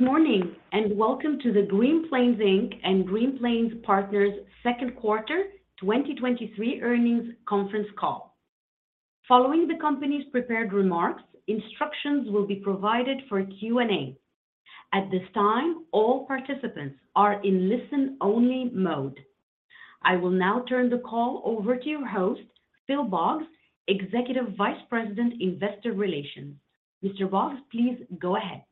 Good morning, welcome to the Green Plains Inc and Green Plains Partners second quarter 2023 earnings conference call. Following the company's prepared remarks, instructions will be provided for Q&A. At this time, all participants are in listen-only mode. I will now turn the call over to your host, Phil Boggs, Executive Vice President, Investor Relations. Mr. Boggs, please go ahead.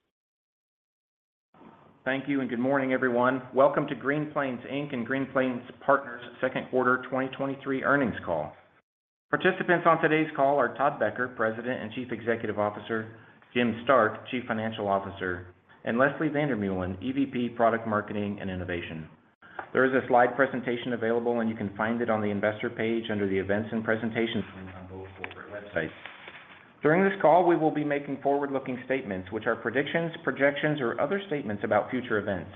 Thank you, good morning, everyone. Welcome to Green Plains Inc and Green Plains Partners 2Q 2023 earnings call. Participants on today's call are Todd Becker, President and Chief Executive Officer; Jim Stark, Chief Financial Officer; and Leslie van der Meulen, Executive Vice President, Product Marketing and Innovation. There is a slide presentation available, and you can find it on the investor page under the Events and Presentations on both corporate websites. During this call, we will be making forward-looking statements, which are predictions, projections, or other statements about future events.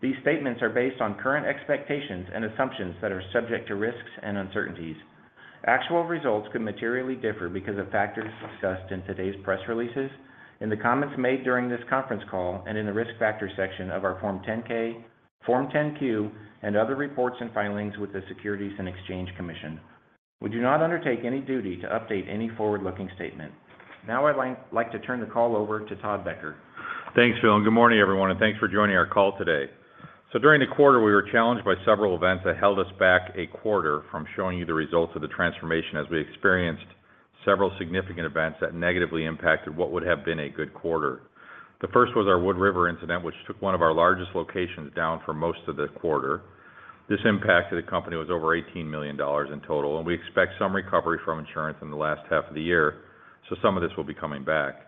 These statements are based on current expectations and assumptions that are subject to risks and uncertainties. Actual results could materially differ because of factors discussed in today's press releases, in the comments made during this conference call, and in the risk factor section of our Form 10-K, Form 10-Q, and other reports and filings with the Securities and Exchange Commission. We do not undertake any duty to update any forward-looking statement. Now I'd like to turn the call over to Todd Becker. Thanks, Phil. Good morning, everyone, and thanks for joining our call today. During the quarter, we were challenged by several events that held us back a quarter from showing you the results of the transformation as we experienced several significant events that negatively impacted what would have been a good quarter. The first was our Wood River incident, which took one of our largest locations down for most of the quarter. This impact to the company was over $18 million in total. We expect some recovery from insurance in the last half of the year, some of this will be coming back.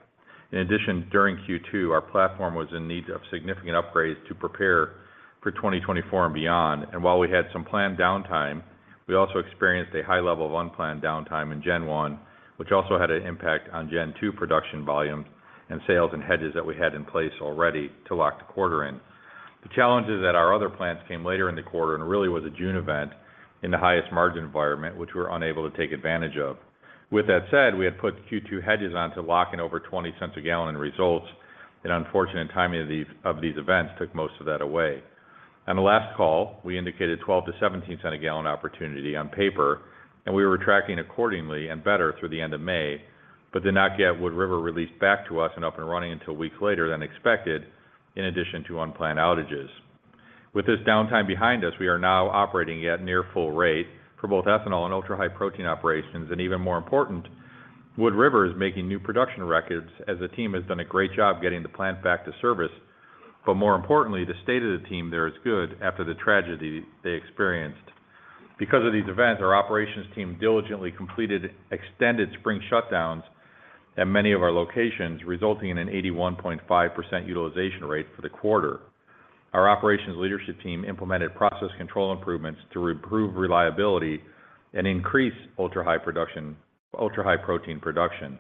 In addition, during Q2, our platform was in need of significant upgrades to prepare for 2024 and beyond, and while we had some planned downtime, we also experienced a high level of unplanned downtime in Gen 1, which also had an impact on Gen 2 production volumes and sales and hedges that we had in place already to lock the quarter in. The challenges at our other plants came later in the quarter and really was a June event in the highest margin environment, which we were unable to take advantage of. With that said, we had put Q2 hedges on to lock in over $0.20 a gallon in results, and unfortunate timing of these events took most of that away. On the last call, we indicated $0.12-$0.17 a gallon opportunity on paper, and we were tracking accordingly and better through the end of May, but did not get Wood River released back to us and up and running until weeks later than expected, in addition to unplanned outages. With this downtime behind us, we are now operating at near full rate for both ethanol and Ultra-High Protein operations, and even more important, Wood River is making new production records as the team has done a great job getting the plant back to service. More importantly, the state of the team there is good after the tragedy they experienced. Because of these events, our operations team diligently completed extended spring shutdowns at many of our locations, resulting in an 81.5% utilization rate for the quarter. Our operations leadership team implemented process control improvements to improve reliability and increase Ultra-High Protein production.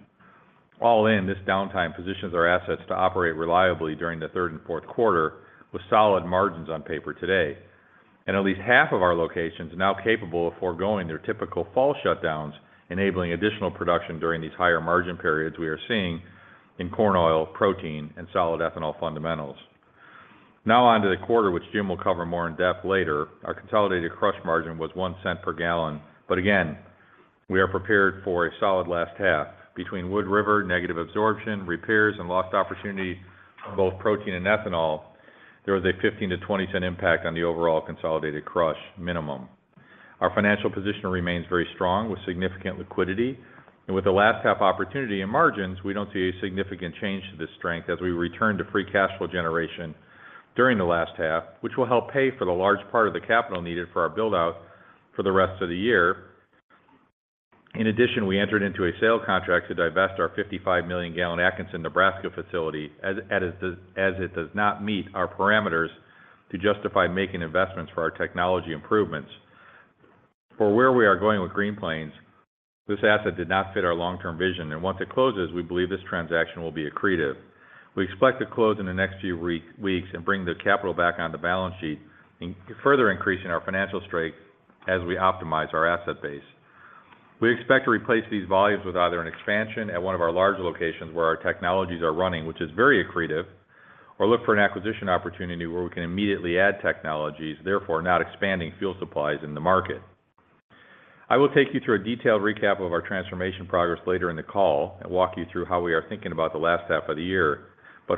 All in, this downtime positions our assets to operate reliably during the third and fourth quarter with solid margins on paper today. At least half of our locations are now capable of foregoing their typical fall shutdowns, enabling additional production during these higher-margin periods we are seeing in corn oil, protein, and solid ethanol fundamentals. On to the quarter, which Jim will cover more in-depth later. Our consolidated crush margin was $0.01 per gallon, again, we are prepared for a solid last half. Between Wood River, negative absorption, repairs, and lost opportunity on both protein and ethanol, there was a $0.15-$0.20 impact on the overall consolidated crush minimum. Our financial position remains very strong, with significant liquidity. With the last half opportunity in margins, we don't see a significant change to this strength as we return to free cash flow generation during the last half, which will help pay for the large part of the capital needed for our build-out for the rest of the year. In addition, we entered into a sale contract to divest our 55 million-gallon Atkinson, Nebraska facility, as it does not meet our parameters to justify making investments for our technology improvements. For where we are going with Green Plains, this asset did not fit our long-term vision, and once it closes, we believe this transaction will be accretive. We expect to close in the next few weeks and bring the capital back on the balance sheet, further increasing our financial strength as we optimize our asset base. We expect to replace these volumes with either an expansion at one of our larger locations where our technologies are running, which is very accretive, or look for an acquisition opportunity where we can immediately add technologies, therefore, not expanding fuel supplies in the market. I will take you through a detailed recap of our transformation progress later in the call and walk you through how we are thinking about the last half of the year.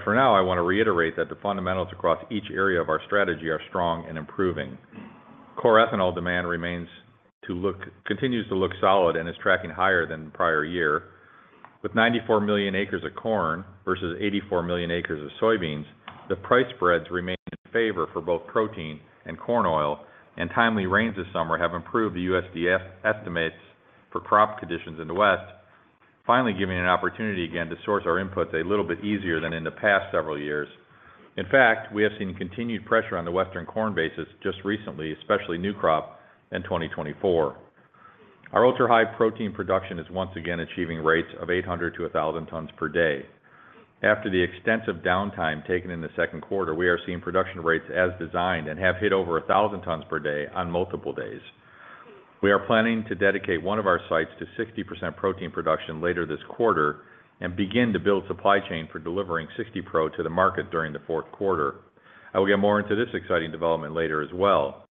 For now, I want to reiterate that the fundamentals across each area of our strategy are strong and improving. Core ethanol demand remains continues to look solid and is tracking higher than the prior year. With 94 million acres of corn versus 84 million acres of soybeans, the price spreads remain in favor for both protein and corn oil. Timely rains this summer have improved the USDA estimates for crop conditions in the West, finally giving an opportunity again to source our inputs a little bit easier than in the past several years. In fact, we have seen continued pressure on the Western corn basis just recently, especially new crop in 2024. Our Ultra-High Protein production is once again achieving rates of 800-1,000 tons per day. After the extensive downtime taken in the second quarter, we are seeing production rates as designed and have hit over 1,000 tons per day on multiple days. We are planning to dedicate one of our sites to 60% protein production later this quarter and begin to build supply chain for delivering 60 Pro to the market during the fourth quarter. I will get more into this exciting development later as well.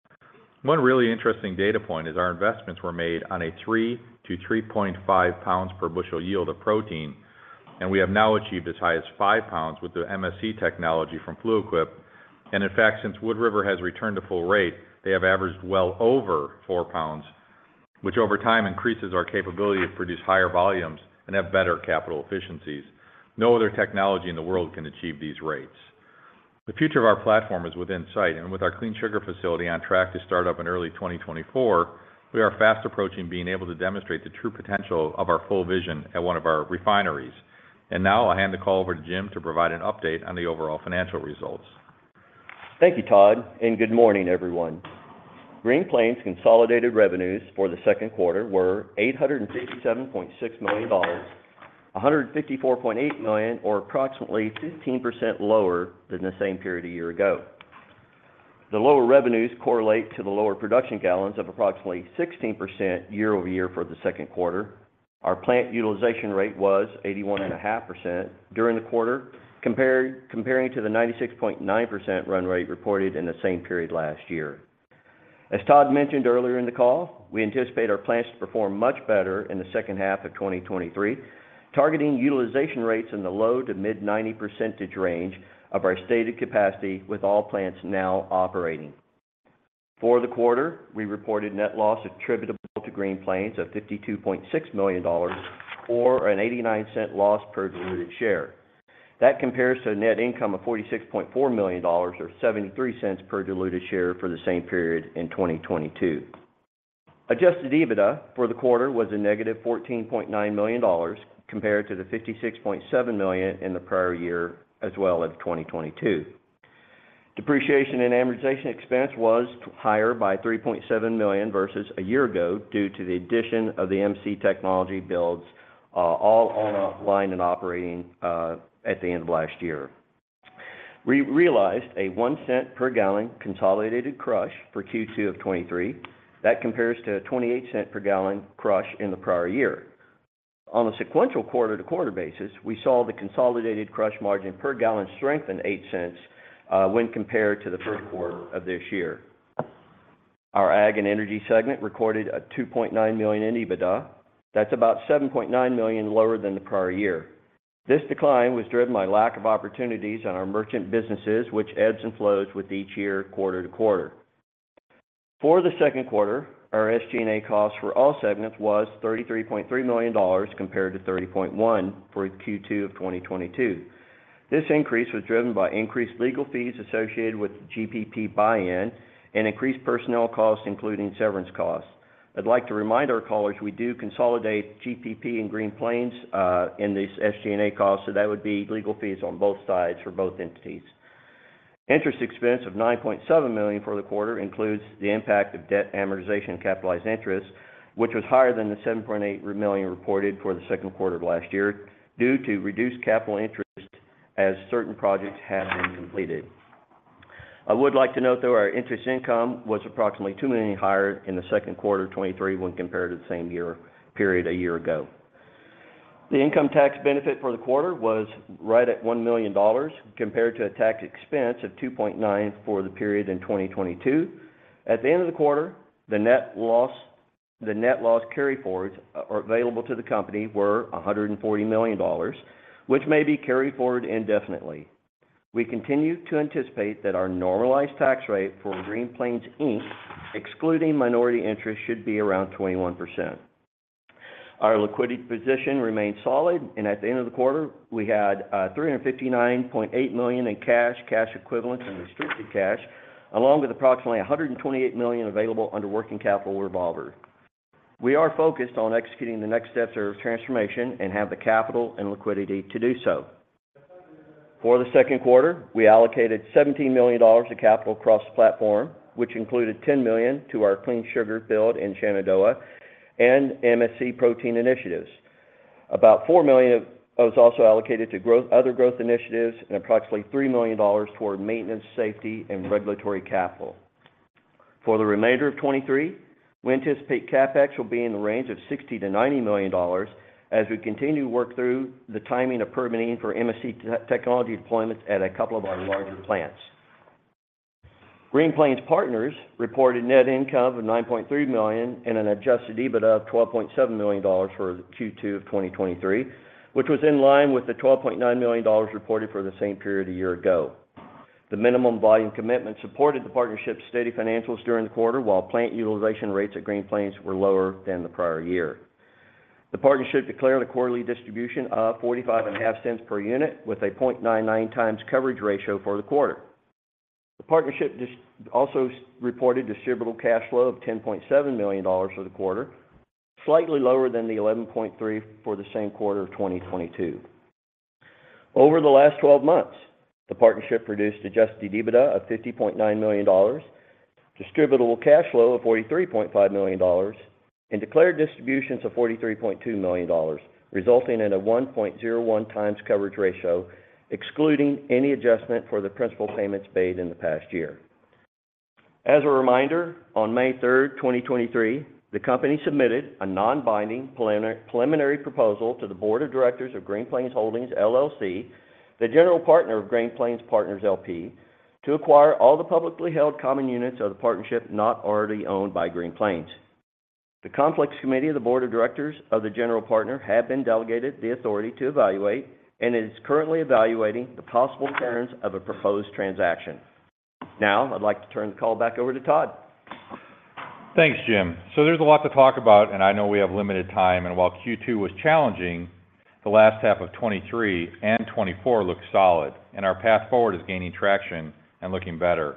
One really interesting data point is our investments were made on a 3 lbs-3.5 lbs per bushel yield of protein, and we have now achieved as high as 5 lbs with the MSC technology from Fluid Quip. In fact, since Wood River has returned to full rate, they have averaged well over 4 lbs, which over time increases our capability to produce higher volumes and have better capital efficiencies. No other technology in the world can achieve these rates. The future of our platform is within sight. With our Clean Sugar facility on track to start up in early 2024, we are fast approaching being able to demonstrate the true potential of our full vision at one of our refineries. Now I'll hand the call over to Jim to provide an update on the overall financial results. Thank you, Todd. Good morning, everyone. Green Plains' consolidated revenues for the second quarter were $867.6 million, $154.8 million, or approximately 15% lower than the same period a year ago. The lower revenues correlate to the lower production gallons of approximately 16% year-over-year for the second quarter. Our plant utilization rate was 81.5% during the quarter, compared to the 96.9% run rate reported in the same period last year. As Todd mentioned earlier in the call, we anticipate our plants to perform much better in the second half of 2023, targeting utilization rates in the low to mid-90% range of our stated capacity, with all plants now operating. For the quarter, we reported net loss attributable to Green Plains of $52.6 million or an $0.89 loss per diluted share. That compares to a net income of $46.4 million or $0.73 per diluted share for the same period in 2022. Adjusted EBITDA for the quarter was a negative $14.9 million, compared to the $56.7 million in the prior year, as well as 2022. Depreciation and amortization expense was higher by $3.7 million versus a year ago, due to the addition of the MSC technology builds, all online and operating at the end of last year. We realized a $0.01 per gallon consolidated crush for Q2 of 2023. That compares to a $0.28 per gallon crush in the prior year. On a sequential quarter-to-quarter basis, we saw the consolidated crush margin per gallon strengthen $0.08 when compared to the first quarter of this year. Our ag and energy segment recorded $2.9 million in EBITDA. That's about $7.9 million lower than the prior year. This decline was driven by lack of opportunities on our merchant businesses, which ebbs and flows with each year, quarter-to-quarter. For the second quarter, our SG&A costs for all segments was $33.3 million, compared to $30.1 million for Q2 of 2022. This increase was driven by increased legal fees associated with GPP buy-in and increased personnel costs, including severance costs. I'd like to remind our callers, we do consolidate GPP in Green Plains in these SG&A costs, so that would be legal fees on both sides for both entities. Interest expense of $9.7 million for the quarter includes the impact of debt amortization and capitalized interest, which was higher than the $7.8 million reported for the second quarter of last year, due to reduced capital interest as certain projects have been completed. I would like to note, though, our interest income was approximately $2 million higher in the second quarter of 2023 when compared to the same period a year ago. The income tax benefit for the quarter was right at $1 million, compared to a tax expense of $2.9 million for the period in 2022. At the end of the quarter, the net loss carryforwards available to the company were $140 million, which may be carried forward indefinitely. We continue to anticipate that our normalized tax rate for Green Plains Inc, excluding minority interest, should be around 21%. Our liquidity position remains solid, and at the end of the quarter, we had $359.8 million in cash, cash equivalents, and restricted cash, along with approximately $128 million available under working capital revolver. We are focused on executing the next steps of our transformation and have the capital and liquidity to do so. For the second quarter, we allocated $17 million to capital across the platform, which included $10 million to our clean sugar build in Shenandoah and MSC protein initiatives. About $4 million was also allocated to growth, other growth initiatives, and approximately $3 million toward maintenance, safety, and regulatory capital. For the remainder of 2023, we anticipate CapEx will be in the range of $60 million-$90 million as we continue to work through the timing of permitting for MSC technology deployments at a couple of our larger plants. Green Plains Partners reported net income of $9.3 million and an Adjusted EBITDA of $12.7 million for Q2 of 2023, which was in line with the $12.9 million reported for the same period a year ago. The minimum volume commitment supported the partnership's steady financials during the quarter, while plant utilization rates at Green Plains were lower than the prior year. The partnership declared a quarterly distribution of $0.455 per unit, with a 0.99 times coverage ratio for the quarter. The partnership also reported distributable cash flow of $10.7 million for the quarter, slightly lower than $11.3 million for the same quarter of 2022. Over the last 12 months, the partnership produced Adjusted EBITDA of $50.9 million, distributable cash flow of $43.5 million and declared distributions of $43.2 million, resulting in a 1.01 times coverage ratio, excluding any adjustment for the principal payments made in the past year. As a reminder, on May 3rd, 2023, the company submitted a non-binding preliminary proposal to the board of directors of Green Plains Holdings, LLC, the general partner of Green Plains Partners, LP, to acquire all the publicly held common units of the partnership not already owned by Green Plains. The Conflicts Committee of the Board of Directors of the General Partner have been delegated the authority to evaluate and is currently evaluating the possible terms of a proposed transaction. Now, I'd like to turn the call back over to Todd. Thanks, Jim. There's a lot to talk about, and I know we have limited time, and while Q2 was challenging, the last half of 2023 and 2024 looks solid, and our path forward is gaining traction and looking better.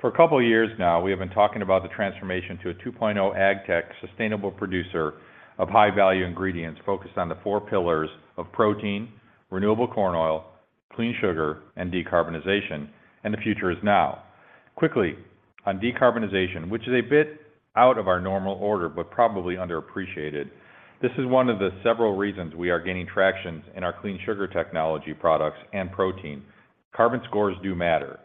For a couple of years now, we have been talking about the transformation to a 2.0 ag tech sustainable producer of high-value ingredients focused on the four pillars of protein, renewable corn oil, clean sugar, and decarbonization, and the future is now. Quickly, on decarbonization, which is a bit out of our normal order, but probably underappreciated, this is one of the several reasons we are gaining traction in our clean sugar technology products and protein. Carbon scores do matter.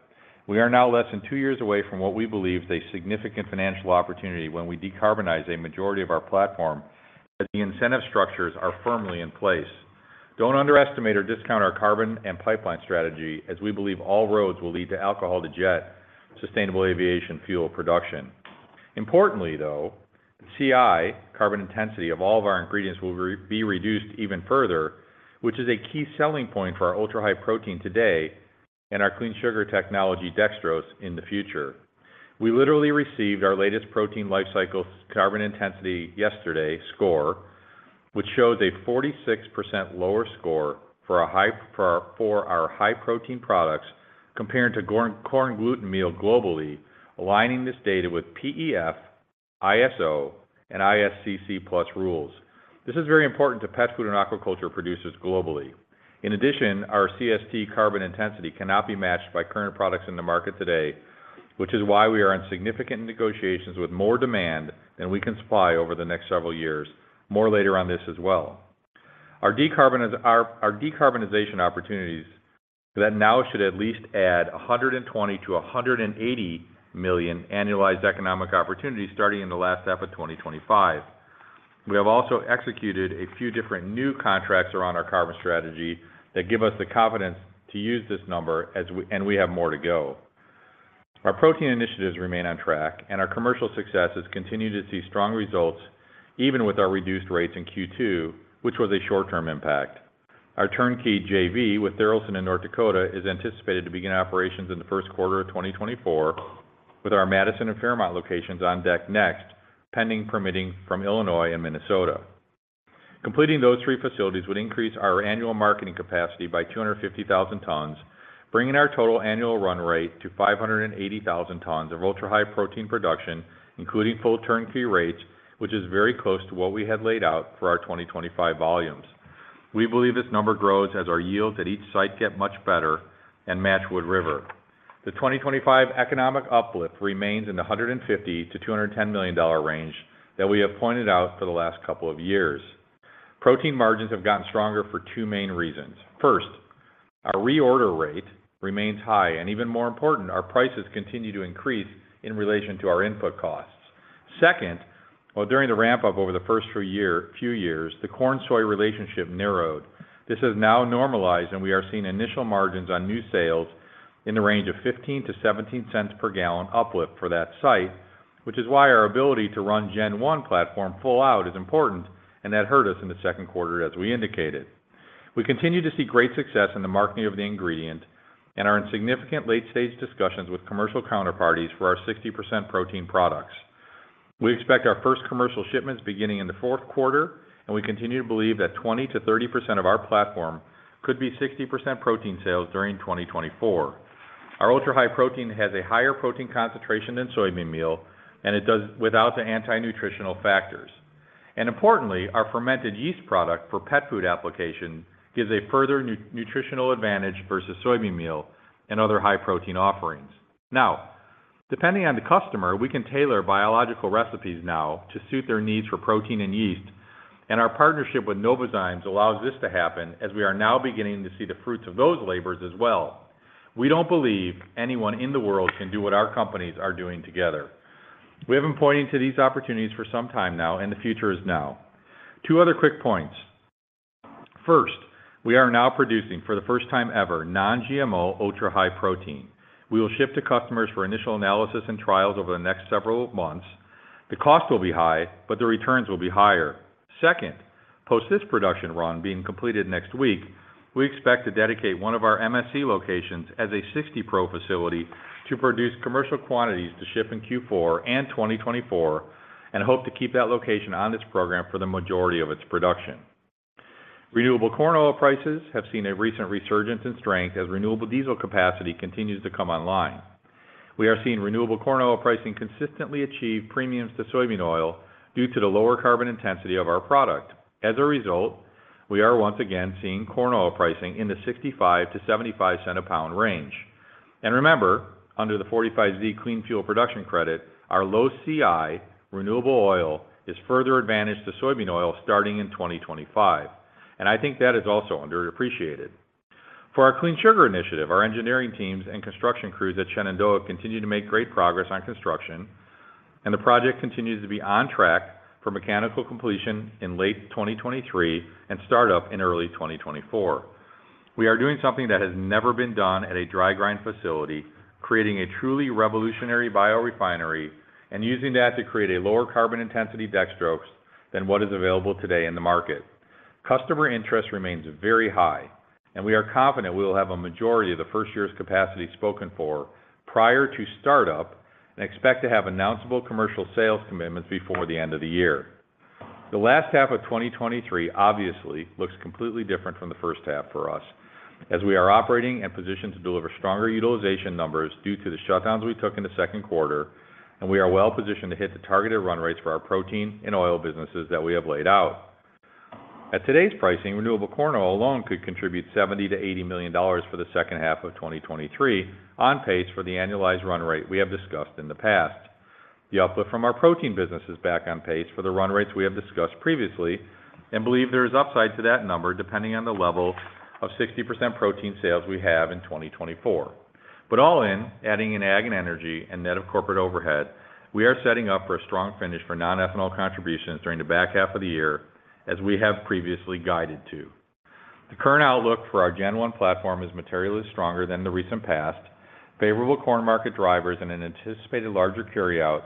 We are now less than two years away from what we believe is a significant financial opportunity when we decarbonize a majority of our platform, as the incentive structures are firmly in place. Don't underestimate or discount our carbon and pipeline strategy, as we believe all roads will lead to alcohol, to jet, sustainable aviation fuel production. Importantly, though, CI, carbon intensity of all of our ingredients will be reduced even further, which is a key selling point for our Ultra-High Protein today and our Clean Sugar Technology, dextrose, in the future. We literally received our latest protein life cycle carbon intensity yesterday score, which shows a 46% lower score for our high-protein products, comparing to corn, corn gluten meal globally, aligning this data with PEF, ISO, and ISCC PLUS rules. This is very important to pet food and aquaculture producers globally. In addition, our CST carbon intensity cannot be matched by current products in the market today, which is why we are in significant negotiations with more demand than we can supply over the next several years. More later on this as well. Our decarbonization opportunities that now should at least add $120 million-$180 million annualized economic opportunities starting in the last half of 2025. We have also executed a few different new contracts around our carbon strategy that give us the confidence to use this number and we have more to go. Our protein initiatives remain on track, and our commercial successes continue to see strong results, even with our reduced rates in Q2, which was a short-term impact. Our turnkey JV with Tharaldson in North Dakota, is anticipated to begin operations in the first quarter of 2024, with our Madison and Fairmont locations on deck next, pending permitting from Illinois and Minnesota. Completing those three facilities would increase our annual marketing capacity by 250,000 tons, bringing our total annual run rate to 580,000 tons of Ultra-High Protein production, including full turnkey rates, which is very close to what we had laid out for our 2025 volumes. We believe this number grows as our yields at each site get much better and match Wood River. The 2025 economic uplift remains in the $150 million-$210 million range that we have pointed out for the last couple of years. Protein margins have gotten stronger for two main reasons. First, our reorder rate remains high, and even more important, our prices continue to increase in relation to our input costs. Second, well, during the ramp-up over the first few year, few years, the corn-soy relationship narrowed. This has now normalized, and we are seeing initial margins on new sales in the range of $0.15-$0.17 per gallon uplift for that site, which is why our ability to run Gen 1 platform full out is important, and that hurt us in the second quarter, as we indicated. We continue to see great success in the marketing of the ingredient and are in significant late-stage discussions with commercial counterparties for our 60% protein products. We expect our first commercial shipments beginning in the fourth quarter, and we continue to believe that 20%-30% of our platform could be 60% protein sales during 2024. Our Ultra-High Protein has a higher protein concentration than soybean meal, and it does without the anti-nutritional factors. Importantly, our fermented yeast product for pet food application gives a further nutritional advantage versus soybean meal and other high-protein offerings. Now, depending on the customer, we can tailor biological recipes now to suit their needs for protein and yeast. Our partnership with Novozymes allows this to happen, as we are now beginning to see the fruits of those labors as well. We don't believe anyone in the world can do what our companies are doing together. We have been pointing to these opportunities for some time now, the future is now. Two other quick points. First, we are now producing, for the first time ever, non-GMO Ultra-High Protein. We will ship to customers for initial analysis and trials over the next several months. The cost will be high, but the returns will be higher. Second, post this production run being completed next week, we expect to dedicate one of our MSC locations as a 60 Pro facility to produce commercial quantities to ship in Q4 2024, and hope to keep that location on this program for the majority of its production. Renewable corn oil prices have seen a recent resurgence in strength as renewable diesel capacity continues to come online. We are seeing renewable corn oil pricing consistently achieve premiums to soybean oil due to the lower carbon intensity of our product. As a result, we are once again seeing corn oil pricing in the $0.65-$0.75 a pound range. Remember, under the 45Z Clean Fuel Production Credit, our low CI renewable oil is further advantaged to soybean oil starting in 2025, and I think that is also underappreciated. For our Clean Sugar initiative, our engineering teams and construction crews at Shenandoah continue to make great progress on construction, and the project continues to be on track for mechanical completion in late 2023 and start up in early 2024. We are doing something that has never been done at a dry grind facility, creating a truly revolutionary biorefinery and using that to create a lower carbon intensity dextrose than what is available today in the market. Customer interest remains very high, and we are confident we will have a majority of the first year's capacity spoken for prior to startup, and expect to have announceable commercial sales commitments before the end of the year. The last half of 2023 obviously looks completely different from the first half for us, as we are operating and positioned to deliver stronger utilization numbers due to the shutdowns we took in the second quarter, and we are well positioned to hit the targeted run rates for our protein and oil businesses that we have laid out. At today's pricing, renewable corn oil alone could contribute $70 million-$80 million for the second half of 2023, on pace for the annualized run rate we have discussed in the past. The output from our protein business is back on pace for the run rates we have discussed previously and believe there is upside to that number, depending on the level of 60% protein sales we have in 2024. All in, adding in ag and energy and net of corporate overhead, we are setting up for a strong finish for non-ethanol contributions during the back half of the year, as we have previously guided to. The current outlook for our Gen 1 platform is materially stronger than the recent past. Favorable corn market drivers and an anticipated larger carryout,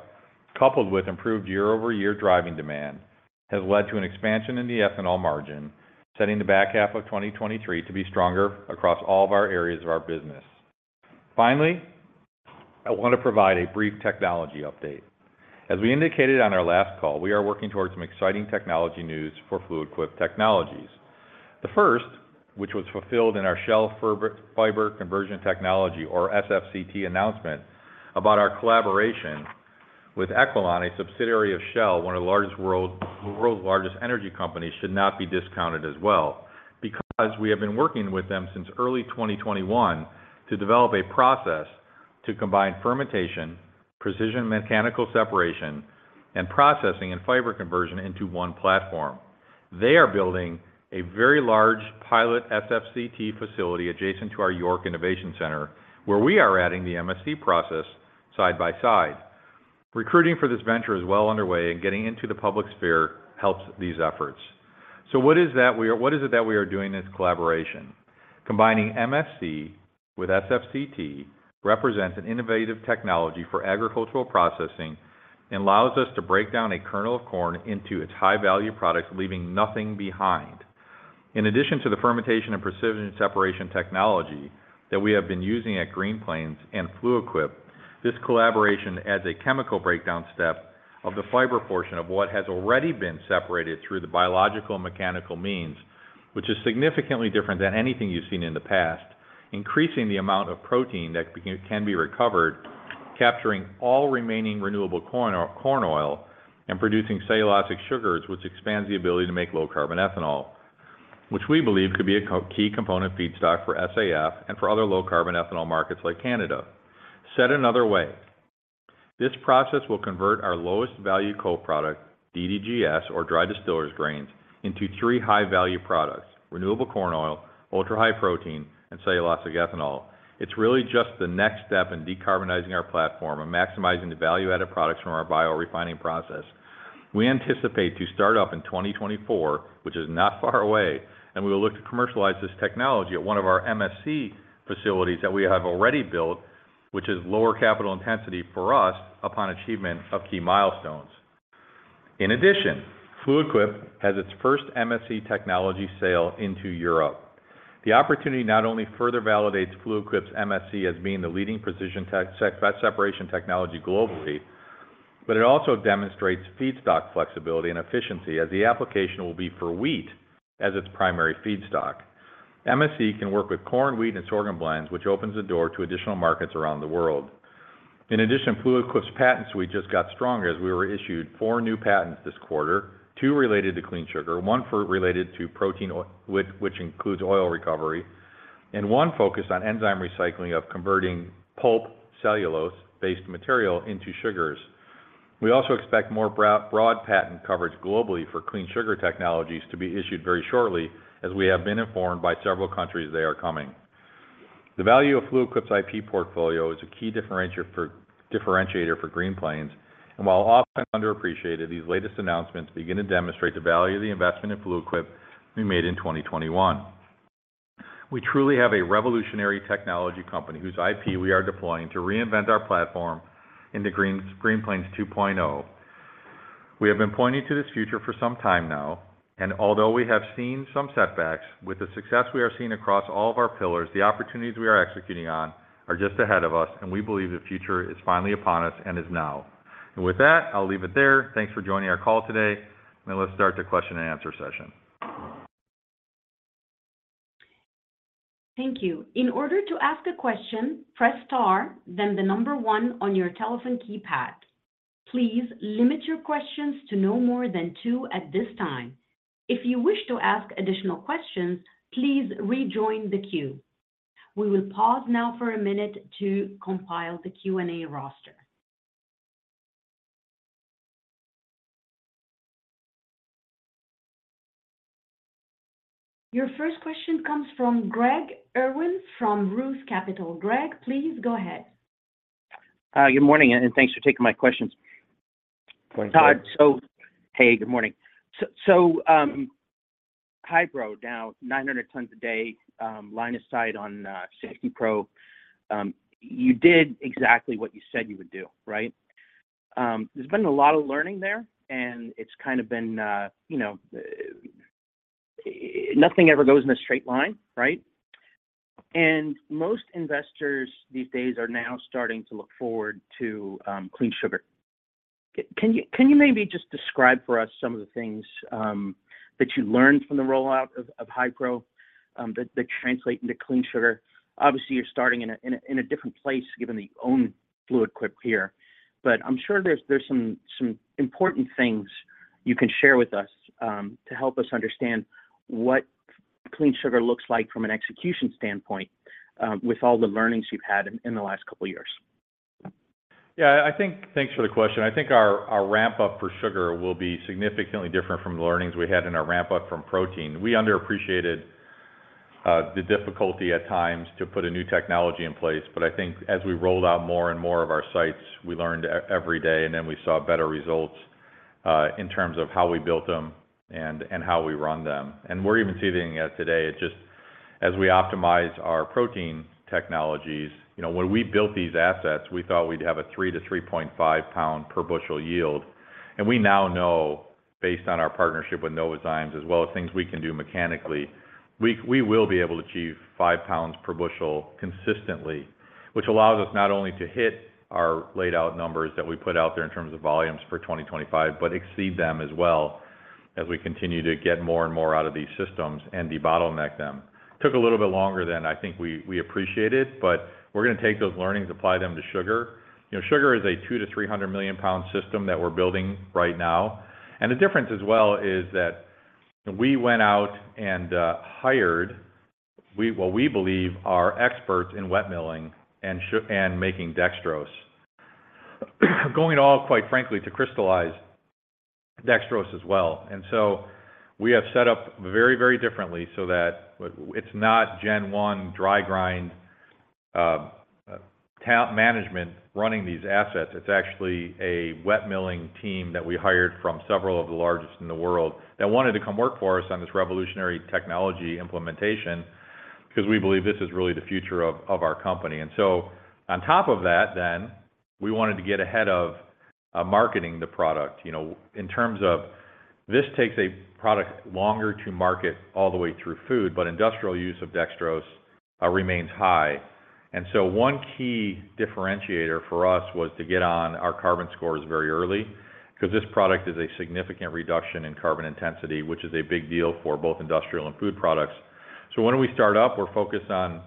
coupled with improved year-over-year driving demand, has led to an expansion in the ethanol margin, setting the back half of 2023 to be stronger across all of our areas of our business. Finally, I want to provide a brief technology update. As we indicated on our last call, we are working towards some exciting technology news for Fluid Quip Technologies. The first, which was fulfilled in our Shell Fiber Conversion Technology, or SFCT announcement, about our collaboration with Equilon, a subsidiary of Shell, one of the world's largest energy companies, should not be discounted as well, because we have been working with them since early 2021 to develop a process to combine fermentation, precision mechanical separation, and processing and fiber conversion into one platform. They are building a very large pilot SFCT facility adjacent to our York Innovation Center, where we are adding the MSC process side by side. Recruiting for this venture is well underway, and getting into the public sphere helps these efforts. What is it that we are doing in this collaboration? Combining MSC with SFCT represents an innovative technology for agricultural processing and allows us to break down a kernel of corn into its high-value products, leaving nothing behind. In addition to the fermentation and precision separation technology that we have been using at Green Plains and Fluid Quip, this collaboration adds a chemical breakdown step of the fiber portion of what has already been separated through the biological and mechanical means, which is significantly different than anything you've seen in the past, increasing the amount of protein that can be recovered, capturing all remaining renewable corn oil, and producing cellulosic sugars, which expands the ability to make low-carbon ethanol, which we believe could be a key component feedstock for SAF and for other low-carbon ethanol markets like Canada. Said another way, this process will convert our lowest value co-product, DDGS, or dry distillers grains, into three high-value products: renewable corn oil, Ultra-High Protein, and cellulosic ethanol. It's really just the next step in decarbonizing our platform and maximizing the value-added products from our biorefining process. We anticipate to start up in 2024, which is not far away. We will look to commercialize this technology at one of our MSC facilities that we have already built, which is lower capital intensity for us upon achievement of key milestones. Fluid Quip has its first MSC technology sale into Europe. The opportunity not only further validates Fluid Quip's MSC as being the leading precision separation technology globally, it also demonstrates feedstock flexibility and efficiency as the application will be for wheat as its primary feedstock. MSC can work with corn, wheat, and sorghum blends, which opens the door to additional markets around the world. In addition, Fluid Quip's patents suite just got stronger as we were issued four new patents this quarter, two related to Clean Sugar, one related to protein which includes oil recovery, and one focused on enzyme recycling of converting pulp cellulose-based material into sugars. We also expect more broad patent coverage globally for Clean Sugar Technologies to be issued very shortly, as we have been informed by several countries they are coming. The value of Fluid Quip's IP portfolio is a key differentiator for Green Plains, and while often underappreciated, these latest announcements begin to demonstrate the value of the investment in Fluid Quip we made in 2021. We truly have a revolutionary technology company whose IP we are deploying to reinvent our platform into Green Plains 2.0. We have been pointing to this future for some time now, and although we have seen some setbacks, with the success we are seeing across all of our pillars, the opportunities we are executing on are just ahead of us, and we believe the future is finally upon us and is now. With that, I'll leave it there. Thanks for joining our call today, and let's start the question and answer session. Thank you. In order to ask a question, press star, then one on your telephone keypad. Please limit your questions to no more than two at this time. If you wish to ask additional questions, please rejoin the queue. We will pause now for a minute to compile the Q&A roster. Your first question comes from Craig Irwin from Roth Capital. Craig, please go ahead. Good morning, thanks for taking my questions. Good morning. Todd. Hey, good morning. HiPro, now 900 tons a day, line of sight on 60 Pro. You did exactly what you said you would do, right? There's been a lot of learning there, and it's kind of been, you know, nothing ever goes in a straight line, right? Most investors these days are now starting to look forward to Clean Sugar. Can you, can you maybe just describe for us some of the things that you learned from the rollout of HiPro that translate into Clean Sugar? Obviously, you're starting in a, in a, in a different place, given the own Fluid Quip here. I'm sure there's, there's some, some important things you can share with us, to help us understand what Clean Sugar looks like from an execution standpoint, with all the learnings you've had in the last couple of years. Yeah, I think. Thanks for the question. I think our, our ramp-up for sugar will be significantly different from the learnings we had in our ramp-up from protein. We underappreciated the difficulty at times to put a new technology in place. I think as we rolled out more and more of our sites, we learned every day, and then we saw better results in terms of how we built them and, and how we run them. We're even seeing it today. It just as we optimize our protein technologies, you know, when we built these assets, we thought we'd have a 3 lbs-3.5 lbs per bushel yield. We now know, based on our partnership with Novozymes, as well as things we can do mechanically, we, we will be able to achieve 5 lbs per bushel consistently, which allows us not only to hit our laid out numbers that we put out there in terms of volumes for 2025, but exceed them as well as we continue to get more and more out of these systems and debottleneck them. Took a little bit longer than I think we, we appreciated, but we're going to take those learnings, apply them to sugar. You know, sugar is a 200-300 million pound system that we're building right now. And the difference as well is that we went out and hired, we, what we believe are experts in wet milling and making dextrose. Going all, quite frankly, to crystallize dextrose as well. We have set up very, very differently so that it's not Gen 1, dry grind, talent management running these assets. It's actually a wet milling team that we hired from several of the largest in the world that wanted to come work for us on this revolutionary technology implementation because we believe this is really the future of, of our company. On top of that, then, we wanted to get ahead of marketing the product, you know, in terms of this takes a product longer to market all the way through food, but industrial use of dextrose remains high. One key differentiator for us was to get on our carbon scores very early, because this product is a significant reduction in carbon intensity, which is a big deal for both industrial and food products. When we start up, we're focused on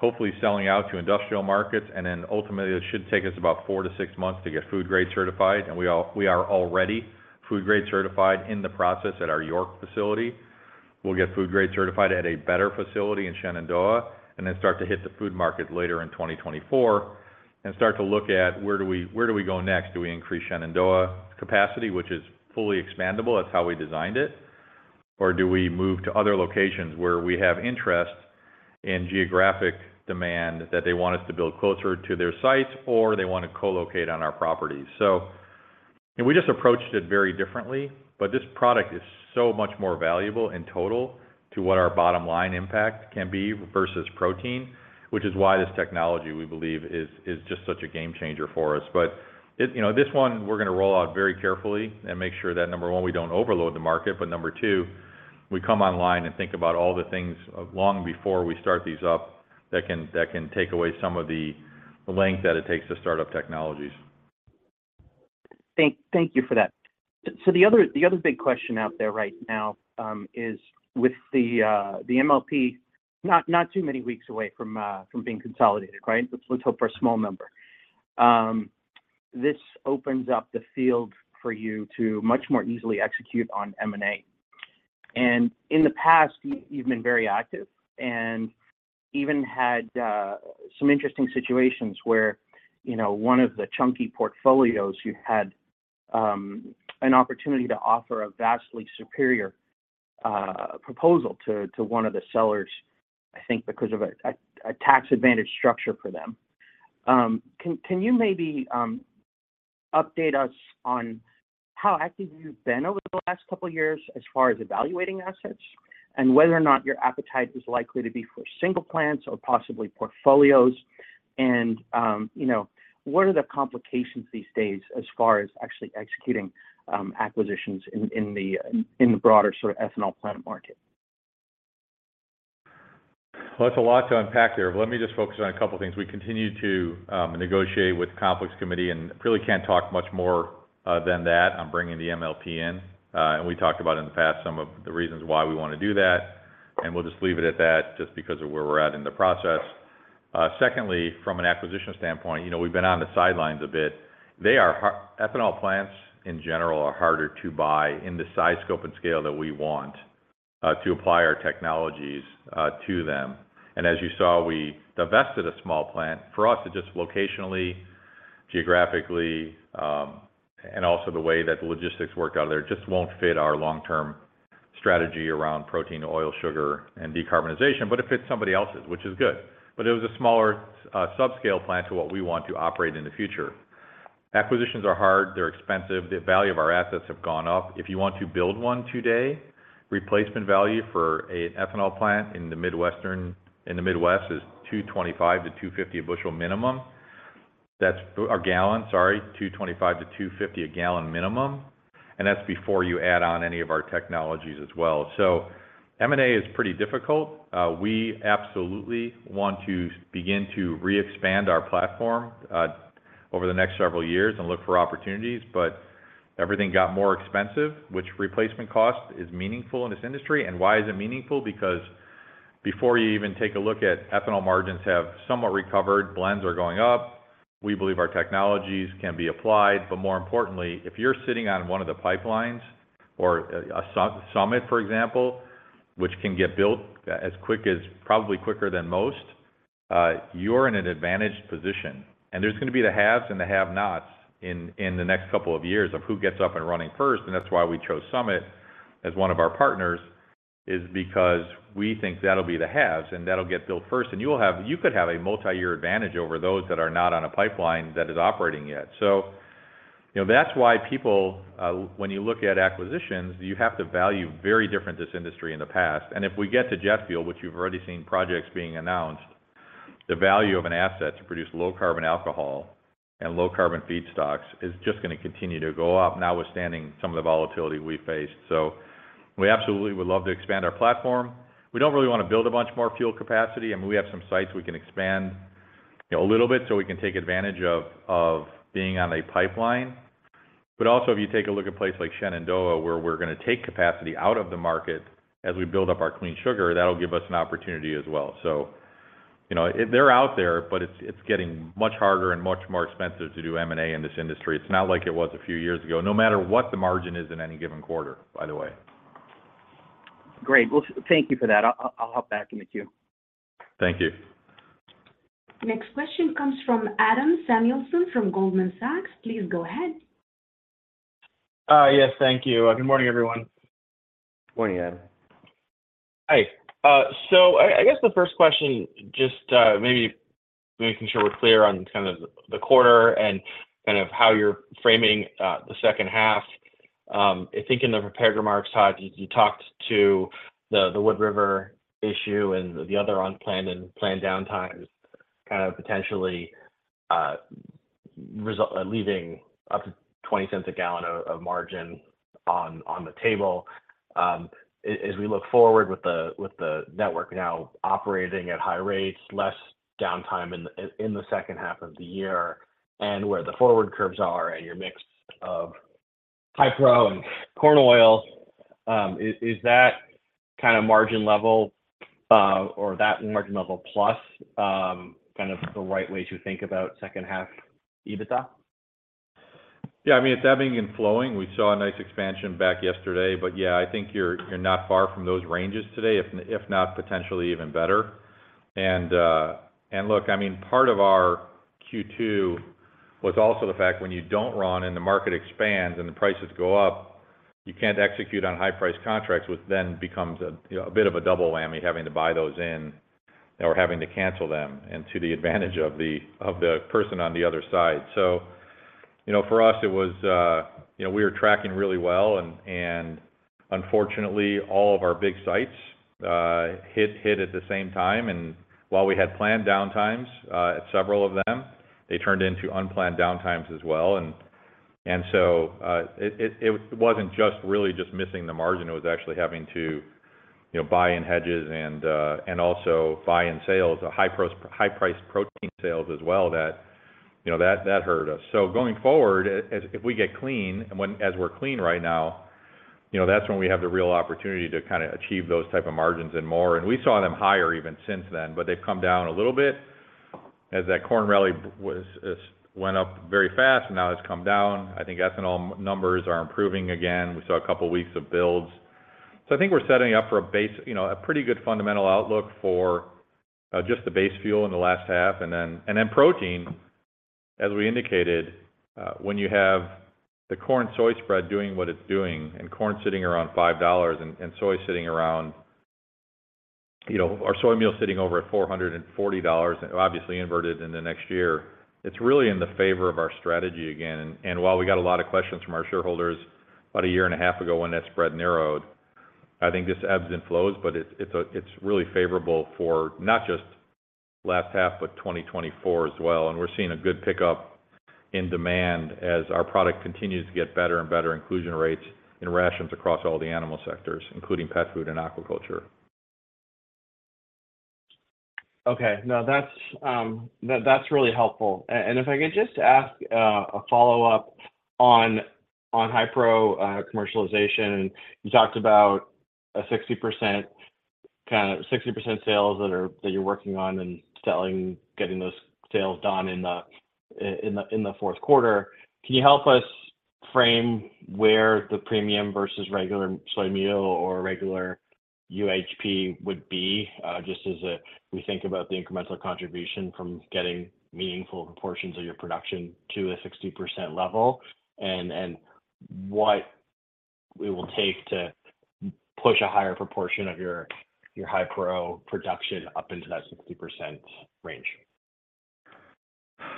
hopefully selling out to industrial markets, and then ultimately, it should take us about four to six months to get food grade certified. We all- we are already food grade certified in the process at our York facility. We'll get food grade certified at a better facility in Shenandoah, and then start to hit the food market later in 2024, and start to look at where do we, where do we go next? Do we increase Shenandoah capacity, which is fully expandable? That's how we designed it. Do we move to other locations where we have interest in geographic demand that they want us to build closer to their sites, or they want to co-locate on our properties? We just approached it very differently, but this product is so much more valuable in total to what our bottom line impact can be versus protein, which is why this technology, we believe, is, is just such a game changer for us. You know, this one, we're going to roll out very carefully and make sure that, number one, we don't overload the market, but number two, we come online and think about all the things long before we start these up, that can, that can take away some of the, the length that it takes to start up technologies. Thank, thank you for that. The other, the other big question out there right now, is with the, the MLP, not, not too many weeks away from, from being consolidated, right? Let's, let's hope for a small number. This opens up the field for you to much more easily execute on M&A. In the past, you, you've been very active and even had, some interesting situations where, you know, one of the chunky portfolios, you had, an opportunity to offer a vastly superior, proposal to, to one of the sellers, I think because of a, a, a tax advantage structure for them. Can, can you maybe, update us on how active you've been over the last couple of years as far as evaluating assets and whether or not your appetite is likely to be for single plants or possibly portfolios? You know, what are the complications these days as far as actually executing acquisitions in, in the, in the broader sort of ethanol plant market? Well, that's a lot to unpack there, but let me just focus on a couple of things. We continue to negotiate with the Conflicts Committee and really can't talk much more than that. I'm bringing the MLP in, and we talked about in the past some of the reasons why we want to do that, and we'll just leave it at that just because of where we're at in the process. Secondly, from an acquisition standpoint, you know, we've been on the sidelines a bit. They are ethanol plants, in general, are harder to buy in the size, scope, and scale that we want to apply our technologies to them. As you saw, we divested a small plant. For us, it just locationally, geographically, and also the way that the logistics worked out there, just won't fit our long-term strategy around protein, oil, sugar, and decarbonization, but it fits somebody else's, which is good. It was a smaller, subscale plant to what we want to operate in the future. Acquisitions are hard, they're expensive. The value of our assets have gone up. If you want to build one today, replacement value for a ethanol plant in the Midwest is $225-$250 a bushel minimum. Or gallon, sorry, $225-$250 a gallon minimum, and that's before you add on any of our technologies as well. M&A is pretty difficult. We absolutely want to begin to re-expand our platform over the next several years and look for opportunities, but everything got more expensive, which replacement cost is meaningful in this industry. Why is it meaningful? Because before you even take a look at ethanol margins have somewhat recovered, blends are going up. We believe our technologies can be applied, but more importantly, if you're sitting on one of the pipelines or a Summit, for example, which can get built as quick as probably quicker than most, you're in an advantaged position. There's gonna be the haves and the have-nots in, in the next couple of years of who gets up and running first, and that's why we chose Summit as one of our partners, is because we think that'll be the haves, and that'll get built first. You will have you could have a multi-year advantage over those that are not on a pipeline that is operating yet. You know, that's why people, when you look at acquisitions, you have to value very different this industry in the past. If we get to jet fuel, which you've already seen projects being announced, the value of an asset to produce low carbon alcohol and low carbon feedstocks is just gonna continue to go up, notwithstanding some of the volatility we faced. We absolutely would love to expand our platform. We don't really want to build a bunch more fuel capacity, and we have some sites we can expand, you know, a little bit, so we can take advantage of being on a pipeline. Also, if you take a look at places like Shenandoah, where we're gonna take capacity out of the market as we build up our Clean Sugar, that'll give us an opportunity as well. So, you know, they're out there, but it's, it's getting much harder and much more expensive to do M&A in this industry. It's not like it was a few years ago, no matter what the margin is in any given quarter, by the way. Great. Well, thank you for that. I'll, I'll hop back in the queue. Thank you. Next question comes from Adam Samuelson from Goldman Sachs. Please go ahead. Yes, thank you. Good morning, everyone. Morning, Adam. Hi. I, I guess the first question, just, maybe making sure we're clear on kind of the quarter and kind of how you're framing the second half. I think in the prepared remarks, Todd, you, you talked to the Wood River incident and the other unplanned and planned downtimes, kind of potentially leaving up to $0.20 a gallon of margin on the table. As, as we look forward with the network now operating at high rates, less downtime in the second half of the year, and where the forward curves are and your mix of HiPro and corn oil, is, is that kind of margin level, or that margin level plus, kind of the right way to think about second half EBITDA? Yeah, I mean, it's ebbing and flowing. We saw a nice expansion back yesterday, but yeah, I think you're, you're not far from those ranges today, if, if not potentially even better. Look, I mean, part of our Q2 was also the fact when you don't run and the market expands and the prices go up, you can't execute on high price contracts, which then becomes a, you know, a bit of a double whammy, having to buy those in or having to cancel them, and to the advantage of the, of the person on the other side. You know, for us, it was, you know, we were tracking really well, and, unfortunately, all of our big sites hit, hit at the same time. While we had planned downtimes at several of them, they turned into unplanned downtimes as well. It wasn't just really just missing the margin, it was actually having to, you know, buy in hedges and also buy in sales, a high-priced protein sales as well that, you know, that hurt us. Going forward, as, if we get clean and as we're clean right now, you know, that's when we have the real opportunity to kind of achieve those type of margins and more. We saw them higher even since then, but they've come down a little bit as that corn rally was went up very fast, and now it's come down. I think ethanol numbers are improving again. We saw a couple weeks of builds. I think we're setting up for a base, you know, a pretty good fundamental outlook for just the base fuel in the last half, and then, and then protein, as we indicated, when you have the corn-soy spread doing what it's doing, and corn sitting around $5 and, and soy sitting around, you know, our soy meal sitting over at $440, obviously inverted in the next year, it's really in the favor of our strategy again. While we got a lot of questions from our shareholders about a year and a half ago when that spread narrowed, I think this ebbs and flows, but it's, it's, it's really favorable for not just last half, but 2024 as well. We're seeing a good pickup in demand as our product continues to get better and better inclusion rates in rations across all the animal sectors, including pet food and aquaculture. Okay. No, that's really helpful. If I could just ask a follow-up on HiPro commercialization. You talked about 60%, kind of 60% sales that are, that you're working on and selling, getting those sales done in the fourth quarter. Can you help us frame where the premium versus regular soy meal or regular UHP would be? Just as we think about the incremental contribution from getting meaningful portions of your production to a 60% level, and what it will take to push a higher proportion of your HiPro production up into that 60% range.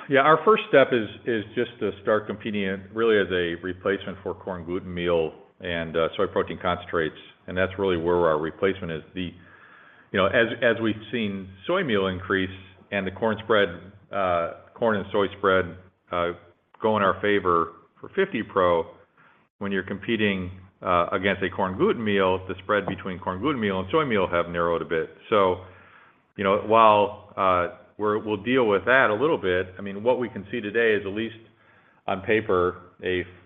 Yeah. Our first step is just to start competing, really as a replacement for corn gluten meal and soy protein concentrates, and that's really where our replacement is. You know, as, as we've seen soy meal increase and the corn spread, corn and soy spread, go in our favor for fifty pro, when you're competing against a corn gluten meal, the spread between corn gluten meal and soy meal have narrowed a bit. You know, while we'll deal with that a little bit, I mean, what we can see today is at least on paper,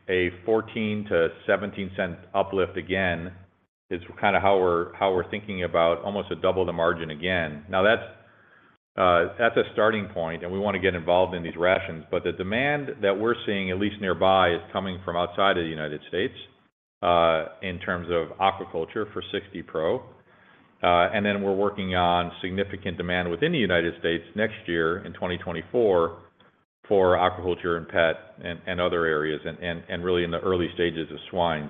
a $0.14-$0.17 uplift again, is kind of how we're, how we're thinking about almost a double the margin again. That's, that's a starting point, and we want to get involved in these rations, but the demand that we're seeing, at least nearby, is coming from outside of the United States, in terms of aquaculture for 60 Pro. Then we're working on significant demand within the United States next year, in 2024, for aquaculture and pet, and, and other areas, and, and, and really in the early stages of swine.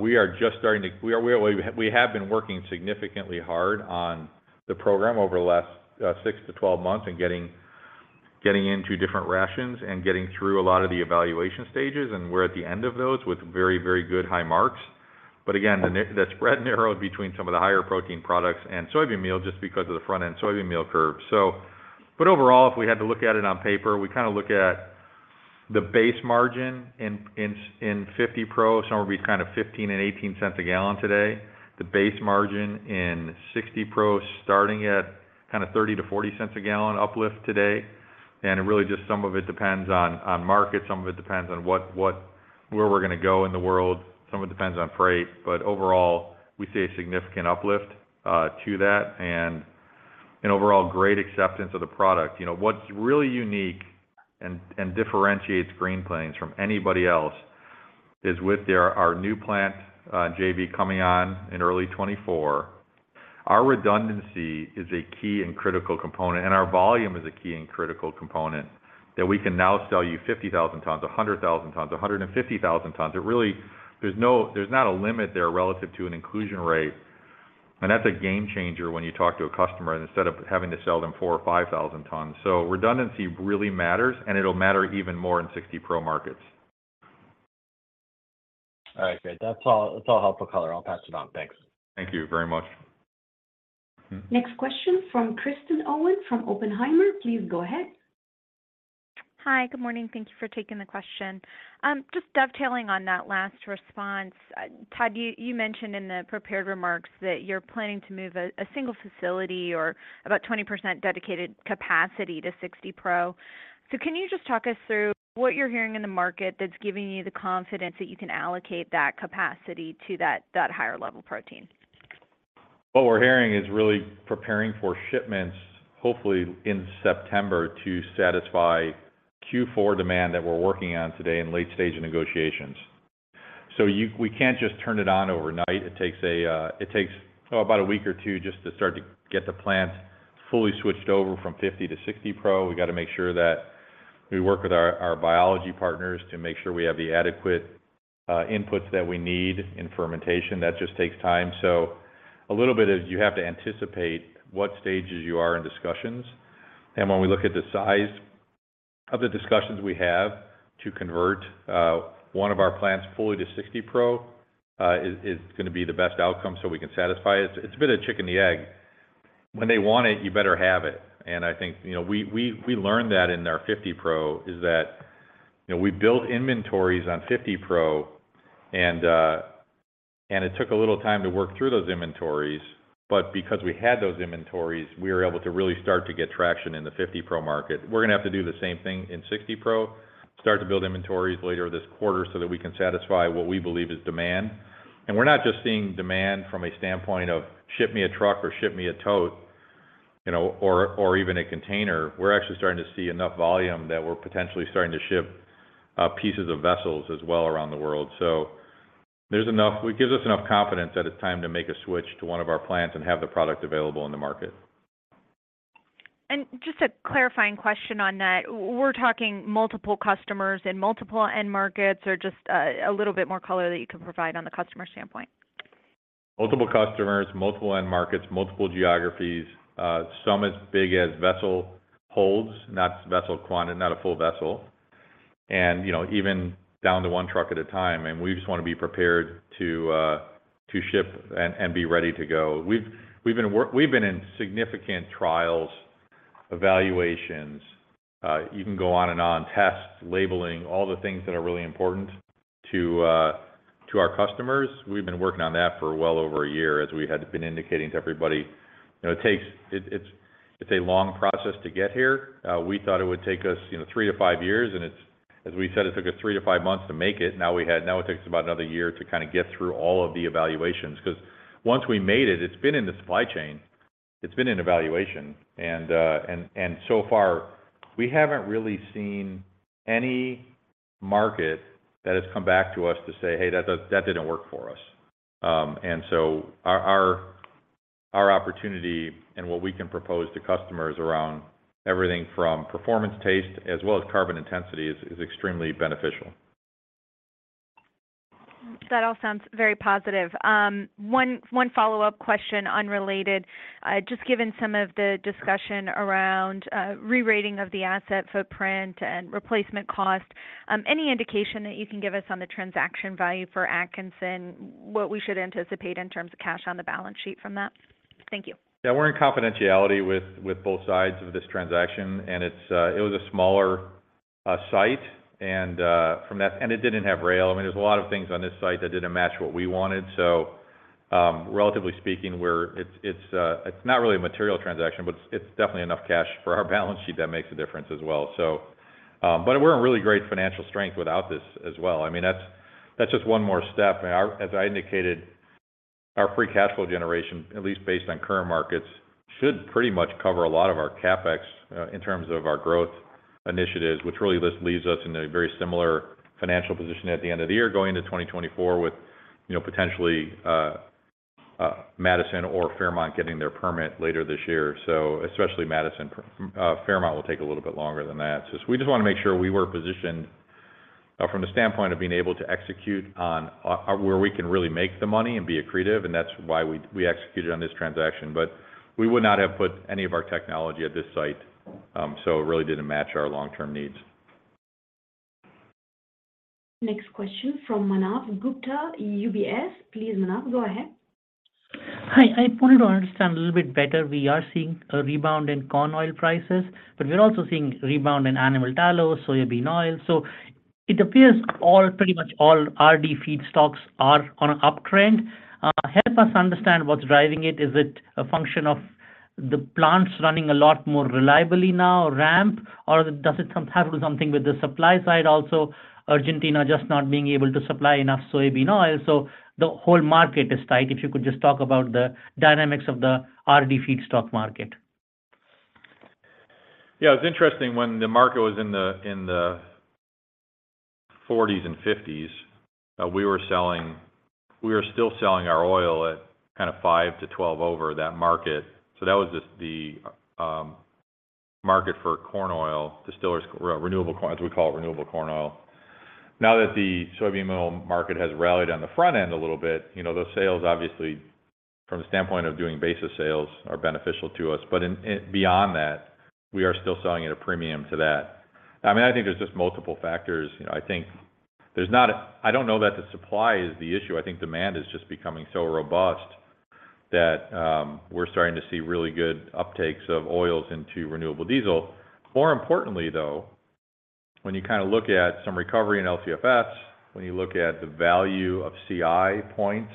We are just starting to we are, we, we have been working significantly hard on the program over the last, six to 12 months and getting, getting into different rations and getting through a lot of the evaluation stages, and we're at the end of those with very, very good high marks. Again, the spread narrowed between some of the higher protein products and soybean meal, just because of the front-end soybean meal curve. Overall, if we had to look at it on paper, we kind of look at the base margin in, in, in fifty pro, somewhere between kind of $0.15 and $0.18 a gallon today. The base margin in 60 Pro, starting at kind of $0.30 to $0.40 a gallon uplift today. It really just some of it depends on, on market, some of it depends on what, where we're going to go in the world, some of it depends on freight. Overall, we see a significant uplift to that and an overall great acceptance of the product. You know, what's really unique and, and differentiates Green Plains from anybody else, is with our new plant JV coming on in early 2024, our redundancy is a key and critical component, and our volume is a key and critical component, that we can now sell you 50,000 tons, 100,000 tons, 150,000 tons. There's not a limit there relative to an inclusion rate, and that's a game changer when you talk to a customer, instead of having to sell them 4,000 or 5,000 tons. Redundancy really matters, and it'll matter even more in 60 Pro markets. All right, great. That's all. It's all helpful color. I'll pass it on. Thanks. Thank you very much. Hmm? Next question from Kristen Owen, from Oppenheimer. Please go ahead. Hi, good morning. Thank Thank you for taking the question. Just dovetailing on that last response, Todd, you mentioned in the prepared remarks that you're planning to move a single facility or about 20% dedicated capacity to 60 Pro. Can you just talk us through what you're hearing in the market that's giving you the confidence that you can allocate that capacity to that, that higher level protein? What we're hearing is really preparing for shipments, hopefully in September, to satisfy Q4 demand that we're working on today in late stage negotiations. We can't just turn it on overnight. It takes a, it takes about a week or two just to start to get the plant fully switched over from fifty to 60 Pro. We got to make sure that we work with our, our biology partners to make sure we have the adequate inputs that we need in fermentation. That just takes time. A little bit is you have to anticipate what stages you are in discussions. When we look at the size of the discussions we have to convert, one of our plants fully to 60 Pro, is, is going to be the best outcome, so we can satisfy it. It's a bit of the chicken and the egg. When they want it, you better have it. I think, you know, we, we, we learned that in our fifty pro, is that, you know, we built inventories on fifty pro, and it took a little time to work through those inventories, but because we had those inventories, we were able to really start to get traction in the fifty pro market. We're going to have to do the same thing in 60 Pro, start to build inventories later this quarter so that we can satisfy what we believe is demand. We're not just seeing demand from a standpoint of, "Ship me a truck or ship me a tote," you know, or, or even a container. We're actually starting to see enough volume that we're potentially starting to ship pieces of vessels as well around the world. It gives us enough confidence that it's time to make a switch to one of our plants and have the product available in the market. Just a clarifying question on that. We're talking multiple customers in multiple end markets, or just a little bit more color that you can provide on the customer standpoint? Multiple customers, multiple end markets, multiple geographies, some as big as vessel holds, not vessel quantity, not a full vessel. You know, even down to one truck at a time, and we just want to be prepared to ship and be ready to go. We've been in significant trials, evaluations, you can go on and on, tests, labeling, all the things that are really important to our customers. We've been working on that for well over a year, as we had been indicating to everybody. You know, it's a long process to get here. We thought it would take us, you know, three to five years, and it's, as we said, it took us three to five months to make it. Now it takes about another year to kind of get through all of the evaluations, 'cause once we made it, it's been in the supply chain, it's been in evaluation. So far, we haven't really seen any market that has come back to us to say, "Hey, that, that didn't work for us." Our, our, our opportunity and what we can propose to customers around everything from performance taste as well as carbon intensity is, is extremely beneficial. That all sounds very positive. one, one follow-up question, unrelated. just given some of the discussion around rerating of the asset footprint and replacement cost, any indication that you can give us on the transaction value for Atkinson, what we should anticipate in terms of cash on the balance sheet from that? Thank you. Yeah, we're in confidentiality with, with both sides of this transaction, and it's, it was a smaller site, and from that. It didn't have rail. I mean, there's a lot of things on this site that didn't match what we wanted. Relatively speaking, we're, it's, it's, it's not really a material transaction, but it's definitely enough cash for our balance sheet that makes a difference as well. We're in really great financial strength without this as well. I mean, that's, that's just one more step. As I indicated, our free cash flow generation, at least based on current markets, should pretty much cover a lot of our CapEx in terms of our growth initiatives, which really just leaves us in a very similar financial position at the end of the year, going into 2024 with, you know, potentially Madison or Fairmont getting their permit later this year. especially Madison. Fairmont will take a little bit longer than that. We just wanna make sure we were positioned from the standpoint of being able to execute on where we can really make the money and be accretive, and that's why we, we executed on this transaction. We would not have put any of our technology at this site, so it really didn't match our long-term needs. Next question from Manav Gupta, UBS. Please, Manav, go ahead. Hi. I wanted to understand a little bit better. We are seeing a rebound in corn oil prices, but we're also seeing rebound in animal tallow, soybean oil. It appears all, pretty much all RD feedstocks are on an uptrend. help us understand what's driving it. Is it a function of the plants running a lot more reliably now, ramp, or does it have something with the supply side? Argentina just not being able to supply enough soybean oil, so the whole market is tight. If you could just talk about the dynamics of the RD feedstock market. Yeah, it's interesting. When the market was in the 40s and 50s, we were still selling our oil at kind of five to 12 over that market. That was just the market for corn oil, distillers, renewable corn, as we call it, renewable corn oil. Now that the soybean oil market has rallied on the front end a little bit, you know, those sales, obviously, from the standpoint of doing basis sales, are beneficial to us. In beyond that, we are still selling at a premium to that. I mean, I think there's just multiple factors. You know, I think there's I don't know that the supply is the issue. I think demand is just becoming so robust that we're starting to see really good uptakes of oils into renewable diesel. More importantly, though, when you kind of look at some recovery in LCFS, when you look at the value of CI points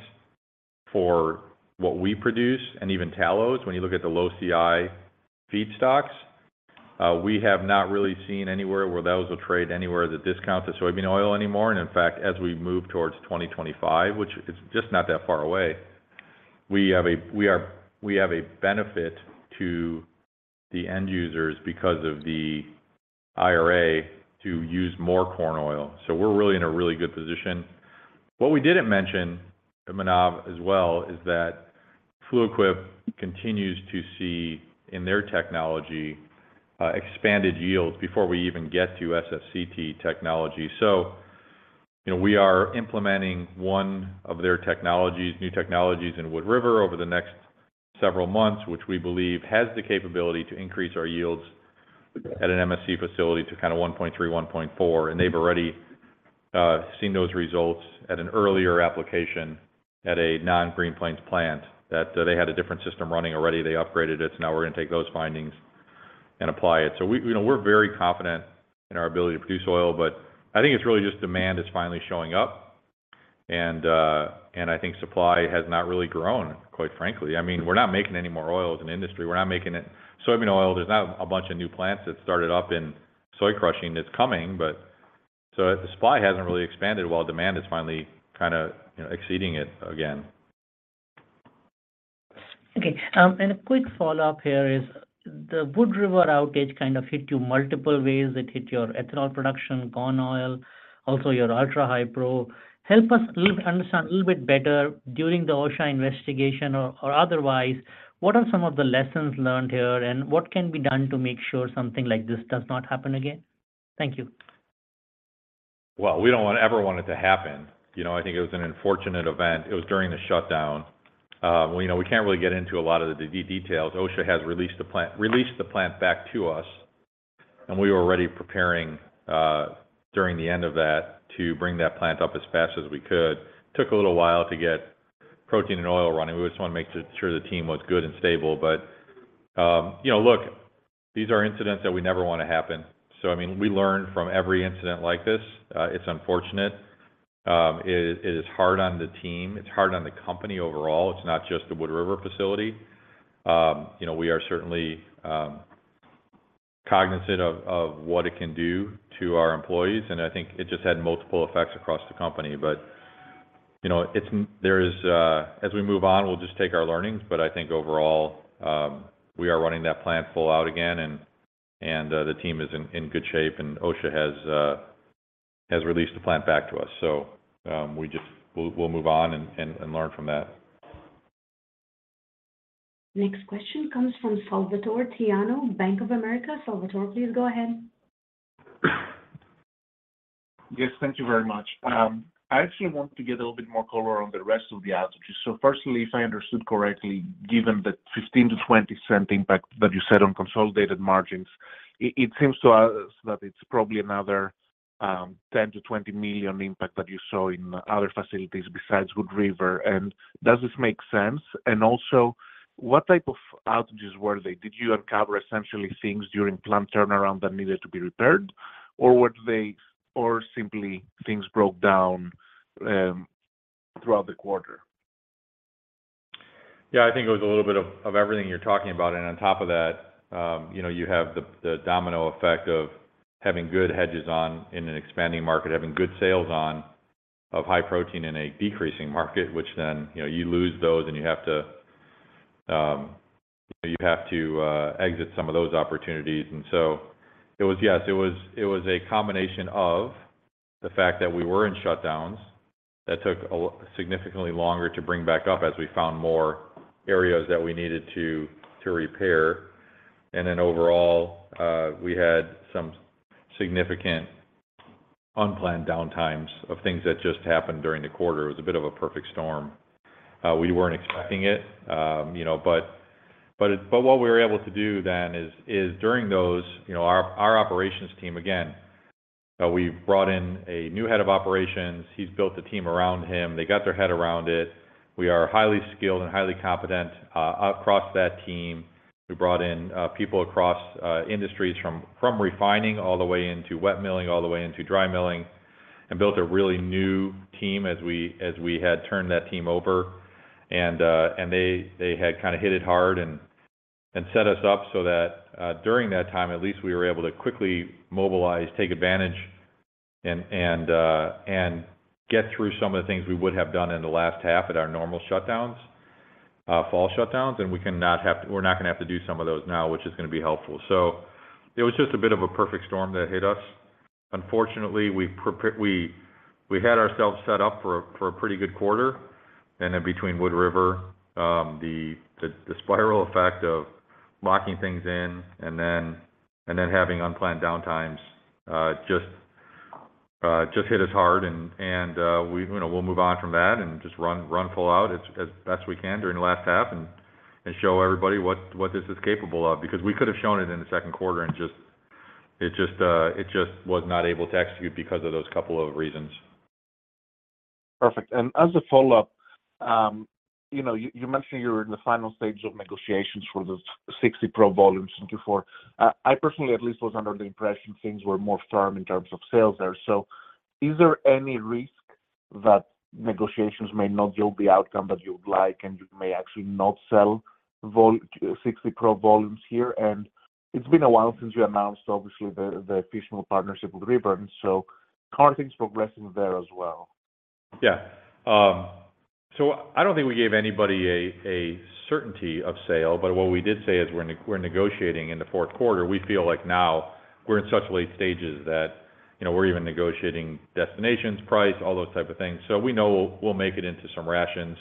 for what we produce and even tallows, when you look at the low CI feedstocks, we have not really seen anywhere where those will trade anywhere that discounts the soybean oil anymore. In fact, as we move towards 2025, which is just not that far away, we have a benefit to the end users because of the IRA to use more corn oil. We're really in a really good position. What we didn't mention, Manav, as well, is that Fluid Quip continues to see in their technology, expanded yields before we even get to SFCT technology. You know, we are implementing one of their technologies, new technologies in Wood River over the next several months, which we believe has the capability to increase our yields at an MSC facility to kind of 1.3, 1.4, and they've already seen those results at an earlier application at a non-Green Plains plant, that they had a different system running already. They upgraded it. Now we're gonna take those findings and apply it. We, you know, we're very confident in our ability to produce oil. I think it's really just demand is finally showing up. I mean, I think supply has not really grown, quite frankly. We're not making any more oils in the industry. We're not making it-- Soybean oil, there's not a bunch of new plants that started up in soy crushing that's coming, but the supply hasn't really expanded while demand is finally kind of, you know, exceeding it again. A quick follow-up here is, the Wood River outage kind of hit you multiple ways. It hit your ethanol production, corn oil, also your Ultra-High Pro. Help us understand a little bit better during the OSHA investigation or, or otherwise, what are some of the lessons learned here, and what can be done to make sure something like this does not happen again? Thank you. Well, we don't want-- ever want it to happen. You know, I think it was an unfortunate event. It was during the shutdown. Well, you know, we can't really get into a lot of the de-details. OSHA has released the plant, released the plant back to us. We were already preparing during the end of that to bring that plant up as fast as we could. Took a little while to get protein and oil running. We just wanna make sure the team was good and stable. You know, look, these are incidents that we never want to happen. I mean, we learn from every incident like this. It's unfortunate. It, it is hard on the team, it's hard on the company overall, it's not just the Wood River facility. You know, we are certainly cognizant of, of what it can do to our employees, and I think it just had multiple effects across the company. You know, there is, as we move on, we'll just take our learnings. I think overall, we are running that plant full out again and, and the team is in, in good shape, and OSHA has released the plant back to us. We'll, we'll move on and, and, and learn from that. Next question comes from Salvatore Tiano, Bank of America. Salvatore, please go ahead. Yes, thank you very much. I actually want to get a little bit more color on the rest of the outages. Firstly, if I understood correctly, given the $0.15-$0.20 impact that you said on consolidated margins, it seems to us that it's probably another $10 million-$20 million impact that you saw in other facilities besides Wood River. Does this make sense? Also, what type of outages were they? Did you uncover essentially things during plant turnaround that needed to be repaired, or were they or simply things broke down throughout the quarter? Yeah, I think it was a little bit of, of everything you're talking about. On top of that, you know, you have the, the domino effect of having good hedges on in an expanding market, having good sales on of high protein in a decreasing market, which then, you know, you lose those and you have to, you know, you have to exit some of those opportunities. Yes, it was, it was a combination of the fact that we were in shutdowns that took significantly longer to bring back up as we found more areas that we needed to, to repair. Overall, we had some significant unplanned downtimes of things that just happened during the quarter. It was a bit of a perfect storm. We weren't expecting it, you know, what we were able to do then is, is during those, you know, our, our operations team, again, we brought in a new head of operations. He's built a team around him. They got their head around it. We are highly skilled and highly competent across that team. We brought in people across industries from refining all the way into wet milling, all the way into dry milling, and built a really new team as we, as we had turned that team over. They, they had kind of hit it hard and, and set us up so that, during that time, at least we were able to quickly mobilize, take advantage and, and, and get through some of the things we would have done in the last half at our normal shutdowns, fall shutdowns. We're not gonna have to do some of those now, which is gonna be helpful. It was just a bit of a perfect storm that hit us. Unfortunately, we we had ourselves set up for a, for a pretty good quarter, and then between Wood River, the, the, the spiral effect of locking things in and then, and then having unplanned downtimes, just hit us hard and, and, we, you know, we'll move on from that and just run, run full out as, as best we can during the last half and, and show everybody what, what this is capable of. Because we could have shown it in the second quarter and it just, it just was not able to execute because of those couple of reasons. Perfect. As a follow-up, you know, you, you mentioned you're in the final stages of negotiations for the 60 Pro volumes in Q4. I personally at least, was under the impression things were more firm in terms of sales there. Is there any risk that negotiations may not yield the outcome that you would like, and you may actually not sell vol- 60 Pro volumes here? It's been a while since you announced, obviously, the, the official partnership with Riverence, so how are things progressing there as well? Yeah. I don't think we gave anybody a, a certainty of sale, but what we did say is we're negotiating in the fourth quarter. We feel like now we're in such late stages that, you know, we're even negotiating destinations, price, all those type of things. We know we'll make it into some rations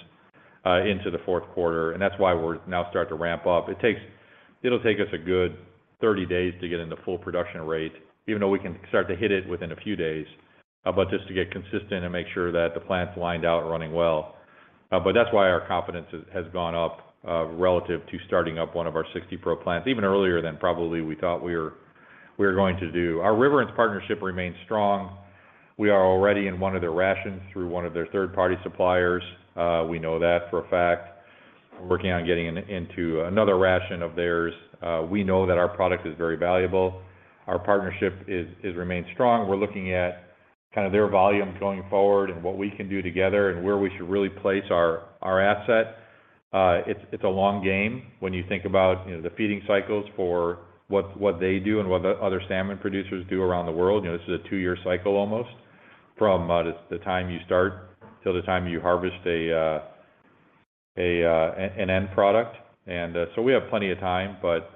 into the fourth quarter, and that's why we're now starting to ramp up. it'll take us a good 30 days to get into full production rate, even though we can start to hit it within a few days. Just to get consistent and make sure that the plant's lined out and running well. But that's why our confidence has, has gone up, relative to starting up one of our 60 Pro plants, even earlier than probably we thought we were, we were going to do. Our Riverence partnership remains strong. We are already in one of their rations through one of their third-party suppliers. We know that for a fact. We're working on getting into another ration of theirs. We know that our product is very valuable. Our partnership is remained strong. We're looking at kind of their volume going forward and what we can do together, and where we should really place our asset. It's a long game when you think about, you know, the feeding cycles for what they do and what the other salmon producers do around the world. You know, this is a two-year cycle almost, from the, the time you start till the time you harvest a, a, an end product. So we have plenty of time, but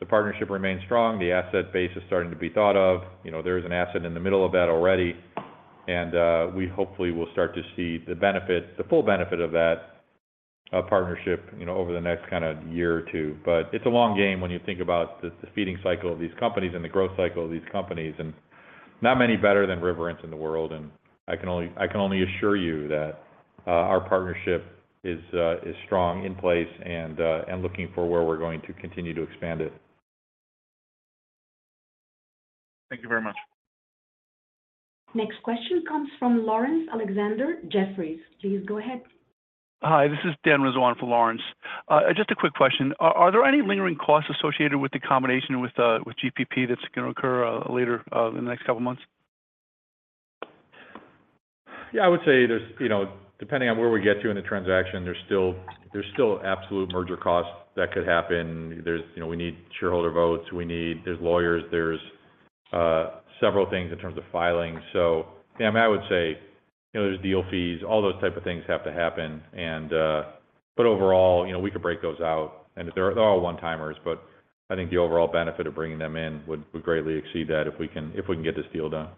the partnership remains strong. The asset base is starting to be thought of. You know, there is an asset in the middle of that already, and we hopefully will start to see the benefit, the full benefit of that partnership, you know, over the next kind of year or two. It's a long game when you think about the, the feeding cycle of these companies and the growth cycle of these companies, and not many better than Riverence in the world. I can only, I can only assure you that our partnership is strong in place and looking for where we're going to continue to expand it. Thank you very much. Next question comes from Laurence Alexander, Jefferies. Please go ahead. Hi, this is Dan Rizwan for Laurence. Just a quick question. Are there any lingering costs associated with the combination with GPP that's going to occur later in the next two months? Yeah, I would say, you know, depending on where we get to in the transaction, there's still, there's still absolute merger costs that could happen. You know, we need shareholder votes, there's lawyers, there's several things in terms of filings. Yeah, I would say, you know, there's deal fees, all those type of things have to happen. Overall, you know, we could break those out, and they're, they're all one-timers, but I think the overall benefit of bringing them in would, would greatly exceed that if we can, if we can get this deal done.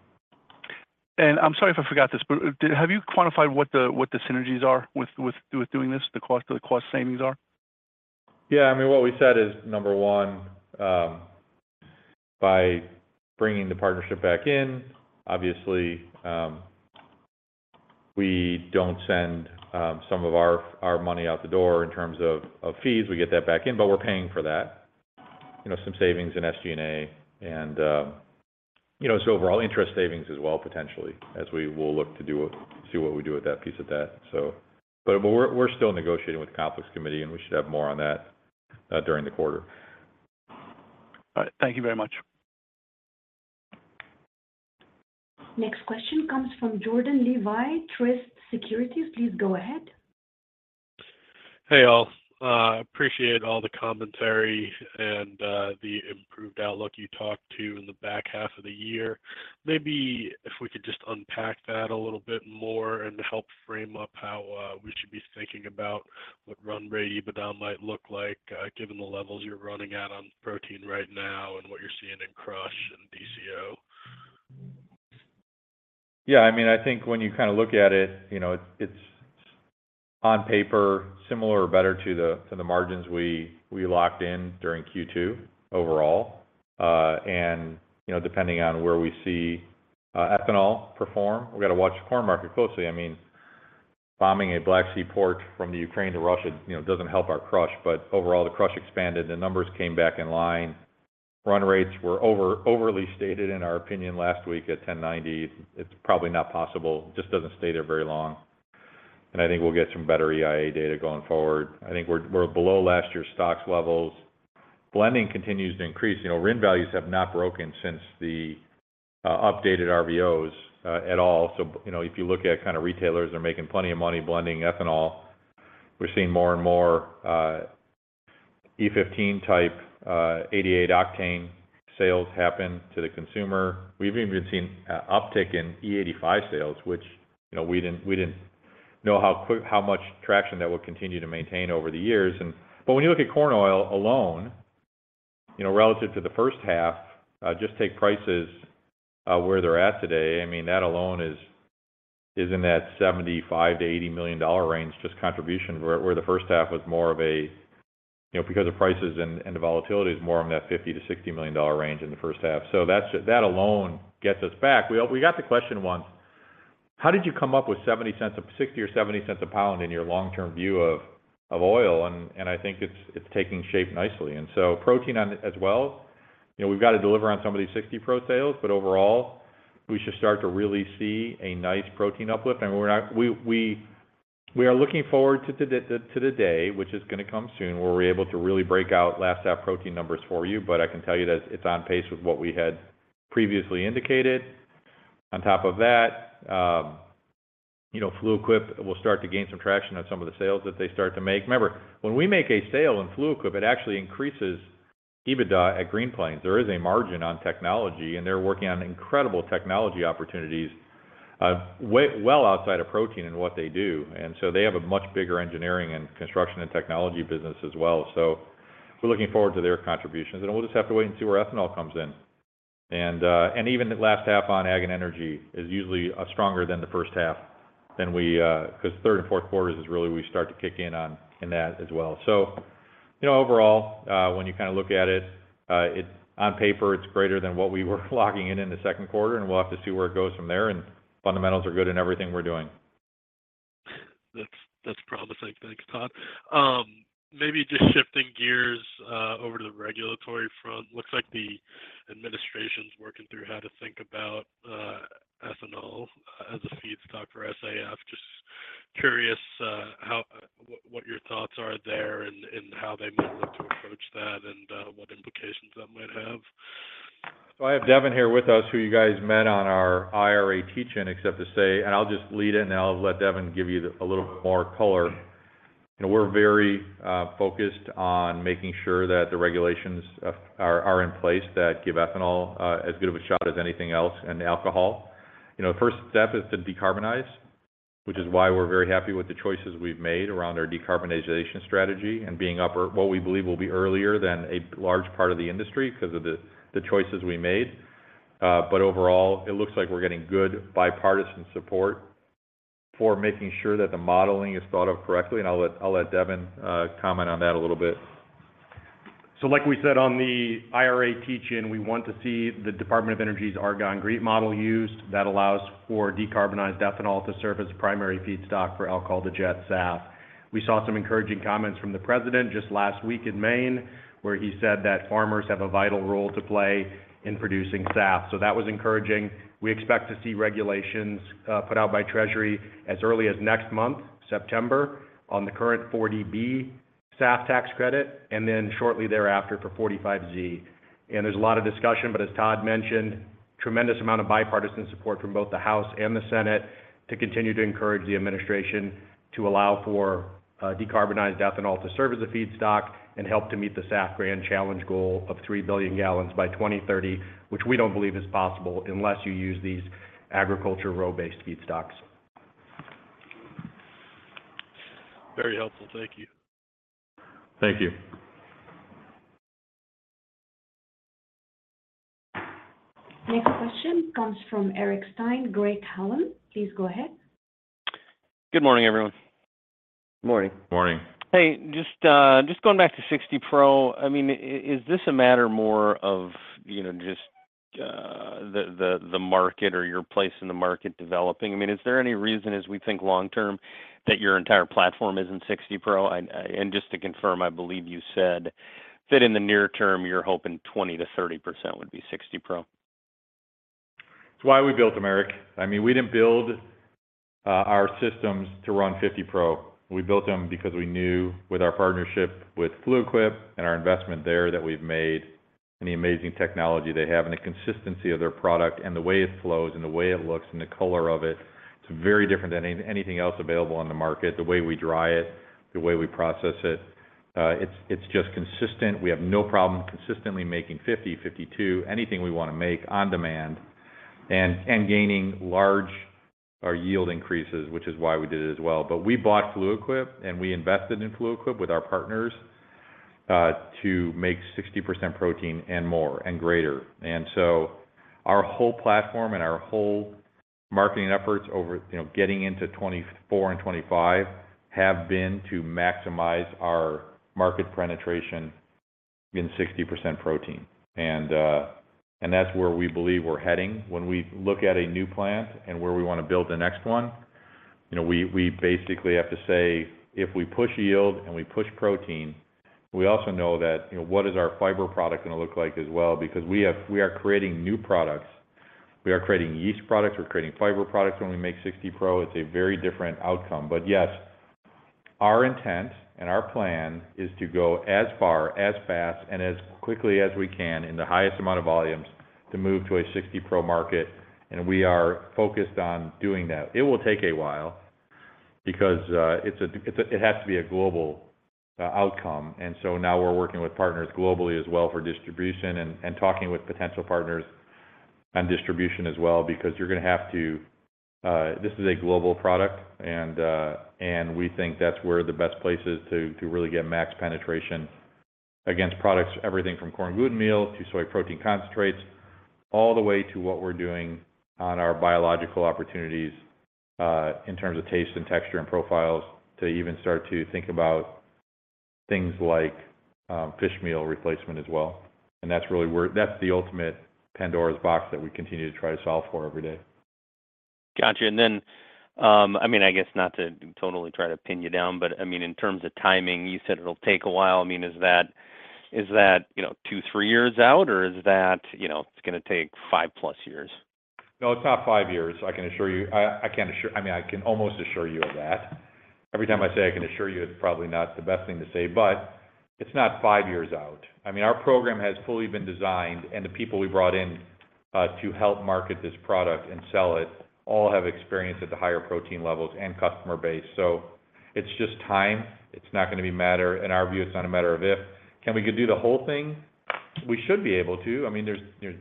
I'm sorry if I forgot this, but, have you quantified what the, what the synergies are with, with, with doing this, the cost, the cost savings are? Yeah, I mean, what we said is, number one, by bringing the partnership back in, obviously, we don't send, some of our, our money out the door in terms of, of fees. We get that back in, we're paying for that. You know, some savings in SG&A and, you know, overall, interest savings as well, potentially, as we will look to do see what we do with that piece of that. We're, we're still negotiating with the Conflicts Committee, and we should have more on that during the quarter. All right. Thank you very much. Next question comes from Jordan Levy, Truist Securities. Please go ahead. Hey, all. Appreciate all the commentary and the improved outlook you talked to in the back half of the year. Maybe if we could just unpack that a little bit more and help frame up how we should be thinking about what run rate EBITDA might look like, given the levels you're running at on protein right now and what you're seeing in crush and DCO? Yeah, I mean, I think when you kind of look at it, you know, it's, it's on paper, similar or better to the, to the margins we, we locked in during Q2 overall. You know, depending on where we see ethanol perform, we've got to watch the corn market closely. I mean, bombing a Black Sea port from the Ukraine to Russia, you know, doesn't help our crush, but overall, the crush expanded, the numbers came back in line. Run rates were overly stated, in our opinion, last week at 10.90. It's probably not possible, it just doesn't stay there very long. I think we'll get some better EIA data going forward. I think we're, we're below last year's stocks levels. Blending continues to increase. You know, RIN values have not broken since the updated RVOs at all. You know, if you look at kind of retailers, they're making plenty of money blending ethanol. We're seeing more and more E15 type 88 octane sales happen to the consumer. We've even seen a uptick in E85 sales, which, you know, we didn't, we didn't know how much traction that would continue to maintain over the years. When you look at corn oil alone, you know, relative to the first half, just take prices where they're at today, I mean, that alone is, is in that $75 million-$80 million range, just contribution, where, where the first half was more of a, you know, because of prices and, and the volatility is more on that $50 million-$60 million range in the first half. That alone gets us back. We, we got the question once: How did you come up with $0.70, a $0.60 or $0.70 a pound in your long-term view of, of oil? I think it's, it's taking shape nicely. Protein on as well, you know, we've got to deliver on some of these 60 Pro sales, but overall, we should start to really see a nice protein uplift. We're not-- we, we, we are looking forward to the the, to the day, which is going to come soon, where we're able to really break out last half protein numbers for you, but I can tell you that it's on pace with what we had previously indicated. On top of that, you know, Fluid Quip will start to gain some traction on some of the sales that they start to make. Remember, when we make a sale in Fluid Quip, it actually increases EBITDA at Green Plains. There is a margin on technology, and they're working on incredible technology opportunities, well outside of protein and what they do. They have a much bigger engineering and construction and technology business as well. We're looking forward to their contributions, and we'll just have to wait and see where ethanol comes in. Even the last half on ag and energy is usually stronger than the first half than we, because third and fourth quarters is really we start to kick in on in that as well. You know, overall, when you kind of look at it, it's on paper, it's greater than what we were logging in in the second quarter, and we'll have to see where it goes from there, and fundamentals are good in everything we're doing. That's, that's promising. Thanks, Todd. Maybe just shifting gears, over to the regulatory front. Looks like the administration's working through how to think about ethanol as a feedstock for SAF. Just curious, what, what your thoughts are there and how they might look to approach that, and what implications that might have. I have Devin here with us, who you guys met on our IRA teach-in, except to say. I'll just lead it, and I'll let Devin give you a little more color. You know, we're very focused on making sure that the regulations are in place that give ethanol as good of a shot as anything else, and alcohol. You know, the first step is to decarbonize, which is why we're very happy with the choices we've made around our decarbonization strategy and being upper, what we believe will be earlier than a large part of the industry because of the choices we made. Overall, it looks like we're getting good bipartisan support for making sure that the modeling is thought of correctly, and I'll let Devin comment on that a little bit. Like we said on the IRA teach-in, we want to see the Department of Energy's Argonne GREET model used. That allows for decarbonized ethanol to serve as a primary feedstock for alcohol-to-jet SAF. We saw some encouraging comments from the president just last week in Maine, where he said that farmers have a vital role to play in producing SAF. That was encouraging. We expect to see regulations put out by Treasury as early as next month, September, on the current 40B SAF tax credit, and then shortly thereafter for 45Z. There's a lot of discussion, but as Todd mentioned, tremendous amount of bipartisan support from both the House and the Senate to continue to encourage the administration to allow for decarbonized ethanol to serve as a feedstock and help to meet the SAF Grand Challenge goal of 3 billion gallons by 2030, which we don't believe is possible unless you use these agriculture row-based feedstocks. Very helpful. Thank you. Thank you. Next question comes from Eric Stine, Craig-Hallum. Please go ahead. Good morning, everyone. Morning. Morning. Hey, just going back to 60 Pro, I mean, is this a matter more of, you know, just the market or your place in the market developing? I mean, is there any reason, as we think long term, that your entire platform is in 60 Pro? Just to confirm, I believe you said that in the near term, you're hoping 20%-30% would be 60 Pro? It's why we built them, Eric. I mean, we didn't build our systems to run fifty pro. We built them because we knew with our partnership with Fluid Quip and our investment there, that we've made, and the amazing technology they have, and the consistency of their product, and the way it flows, and the way it looks, and the color of it, it's very different than anything else available on the market. The way we dry it, the way we process it, it's just consistent. We have no problem consistently making 50, 52, anything we want to make on demand and gaining large yield increases, which is why we did it as well. We bought Fluid Quip, and we invested in Fluid Quip with our partners to make 60% protein and more and greater. So our whole platform and our whole marketing efforts over, you know, getting into 2024 and 2025, have been to maximize our market penetration in 60% protein. That's where we believe we're heading. When we look at a new plant and where we want to build the next one, you know, we, we basically have to say, if we push yield and we push protein, we also know that, you know, what is our fiber product going to look like as well? Because we have-- we are creating new products. We are creating yeast products, we're creating fiber products. When we make 60 Pro, it's a very different outcome. Yes, our intent and our plan is to go as far, as fast, and as quickly as we can in the highest amount of volumes to move to a 60 Pro market, and we are focused on doing that. It will take a while because it has to be a global outcome. Now we're working with partners globally as well for distribution and, and talking with potential partners on distribution as well, because you're going to have to. This is a global product, and we think that's where the best place is to, to really get max penetration against products, everything from corn gluten meal to soy protein concentrates, all the way to what we're doing on our biological opportunities, in terms of taste and texture and profiles, to even start to think about things like, fish meal replacement as well. That's really where, that's the ultimate Pandora's box that we continue to try to solve for every day. Got you. I mean, I guess not to totally try to pin you down, but I mean, in terms of timing, you said it'll take a while. I mean, is that, is that, you know, two, three years out, or is that, you know, it's going to take five plus years? No, it's not five years, I can assure you. I, I can't assure-- I mean, I can almost assure you of that. Every time I say I can assure you, it's probably not the best thing to say, but it's not five years out. I mean, our program has fully been designed, and the people we brought in to help market this product and sell it all have experience at the higher protein levels and customer base. It's just time. It's not going to be matter... In our view, it's not a matter of if. Can we do the whole thing? We should be able to. I mean, there's, there's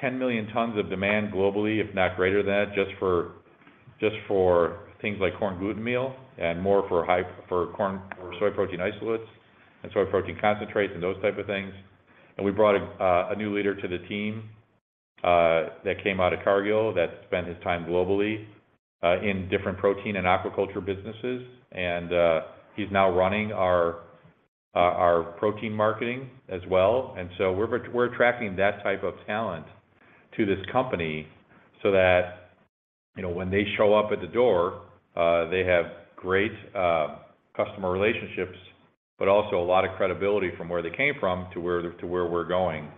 10 million tons of demand globally, if not greater than that, just for, just for things like corn gluten meal and more for corn or soy protein isolates and soy protein concentrates and those type of things. We brought a new leader to the team that came out of Cargill, that spent his time globally in different protein and aquaculture businesses, and he's now running our protein marketing as well. So we're attracting that type of talent to this company so that, you know, when they show up at the door, they have great customer relationships, but also a lot of credibility from where they came from to where, to where we're going.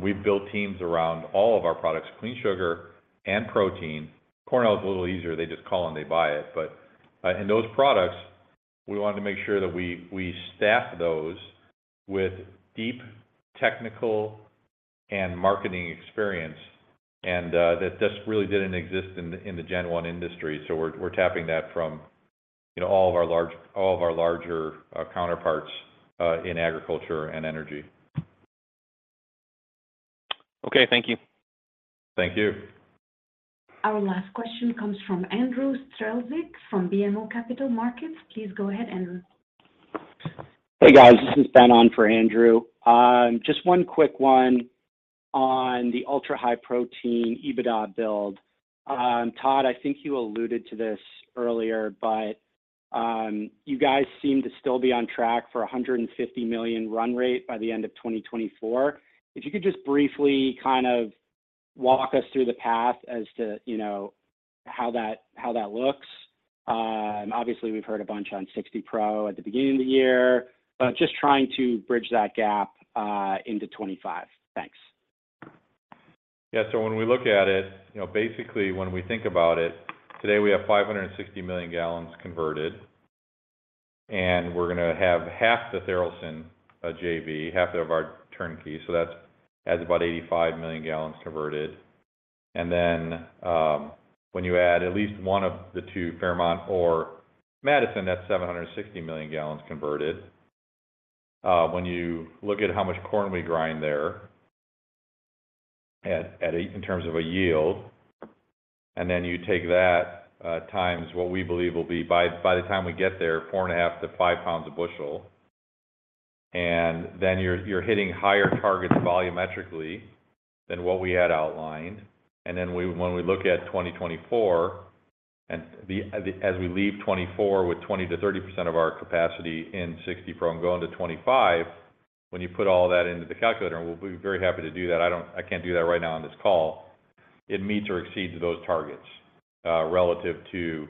We've built teams around all of our products, clean sugar and protein. Corn is a little easier, they just call, and they buy it. In those products, we wanted to make sure that we, we staff those with deep technical and marketing experience, that just really didn't exist in the, in the Gen 1 industry. We're, we're tapping that from, you know, all of our larger, counterparts, in agriculture and energy. Okay, thank you. Thank you. Our last question comes from Andrew Strelzik from BMO Capital Markets. Please go ahead, Andrew. Hey, guys. This is Ben on for Andrew. Just one quick one on the Ultra-High Protein EBITDA build. Todd, I think you alluded to this earlier, but, you guys seem to still be on track for a $150 million run rate by the end of 2024. If you could just briefly kind of walk us through the path as to, you know, how that, how that looks. Obviously, we've heard a bunch on 60 Pro at the beginning of the year, but just trying to bridge that gap into 2025. Thanks. Yeah. When we look at it, you know, basically, when we think about it, today, we have 560 million gallons converted, and we're gonna have half the Tharaldson JV, half of our turnkey, so that's adds about 85 million gallons converted. Then, when you add at least one of the two, Fairmont or Madison, that's 760 million gallons converted. When you look at how much corn we grind there, at, at a in terms of a yield, and then you take that times what we believe will be by, by the time we get there, 4.5 lbs-5 lbs a bushel, and then you're, you're hitting higher targets volumetrically than what we had outlined. When we look at 2024, as we leave 2024 with 20%-30% of our capacity in 60 Pro and going to 2025, when you put all that into the calculator, and we'll be very happy to do that. I don't. I can't do that right now on this call. It meets or exceeds those targets, relative to, you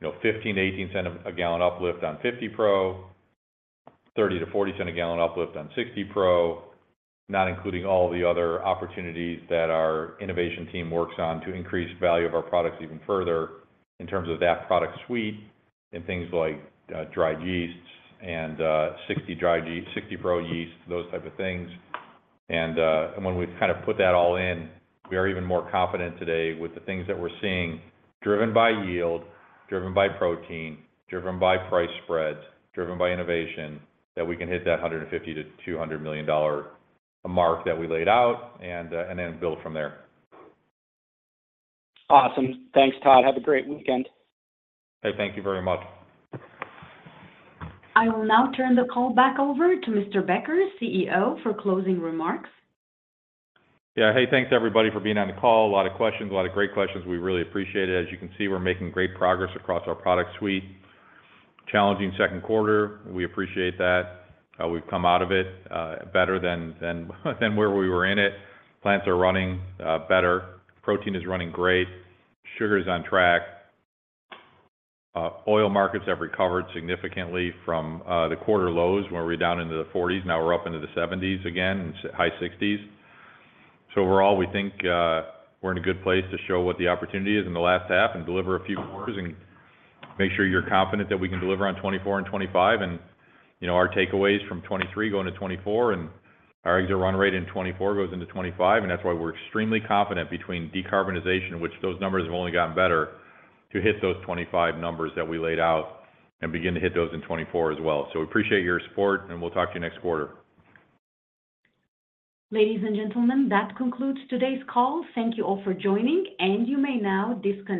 know, $0.15-$0.18 a gallon uplift on 50 Pro, $0.30-$0.40 a gallon uplift on 60 Pro, not including all the other opportunities that our innovation team works on to increase the value of our products even further in terms of that product suite and things like dried yeasts and 60 Pro yeast, those type of things. When we've kind of put that all in, we are even more confident today with the things that we're seeing, driven by yield, driven by protein, driven by price spreads, driven by innovation, that we can hit that $150 million-$200 million mark that we laid out and, and then build from there. Awesome. Thanks, Todd. Have a great weekend. Hey, thank you very much. I will now turn the call back over to Mr. Becker, CEO, for closing remarks. Yeah. Hey, thanks, everybody, for being on the call. A lot of questions, a lot of great questions. We really appreciate it. As you can see, we're making great progress across our product suite. Challenging second quarter, we appreciate that. We've come out of it, better than, than, than where we were in it. Plants are running, better. Protein is running great. Sugar is on track. Oil markets have recovered significantly from the quarter lows, where we're down into the $40s. Now we're up into the $70s again, and high $60s. Overall, we think we're in a good place to show what the opportunity is in the last half and deliver a few quarters and make sure you're confident that we can deliver on 2024 and 2025. You know, our takeaways from 2023 going to 2024 and our exit run rate in 2024 goes into 2025. That's why we're extremely confident between decarbonization, which those numbers have only gotten better, to hit those 2025 numbers that we laid out and begin to hit those in 2024 as well. We appreciate your support, and we'll talk to you next quarter. Ladies and gentlemen, that concludes today's call. Thank you all for joining, and you may now disconnect.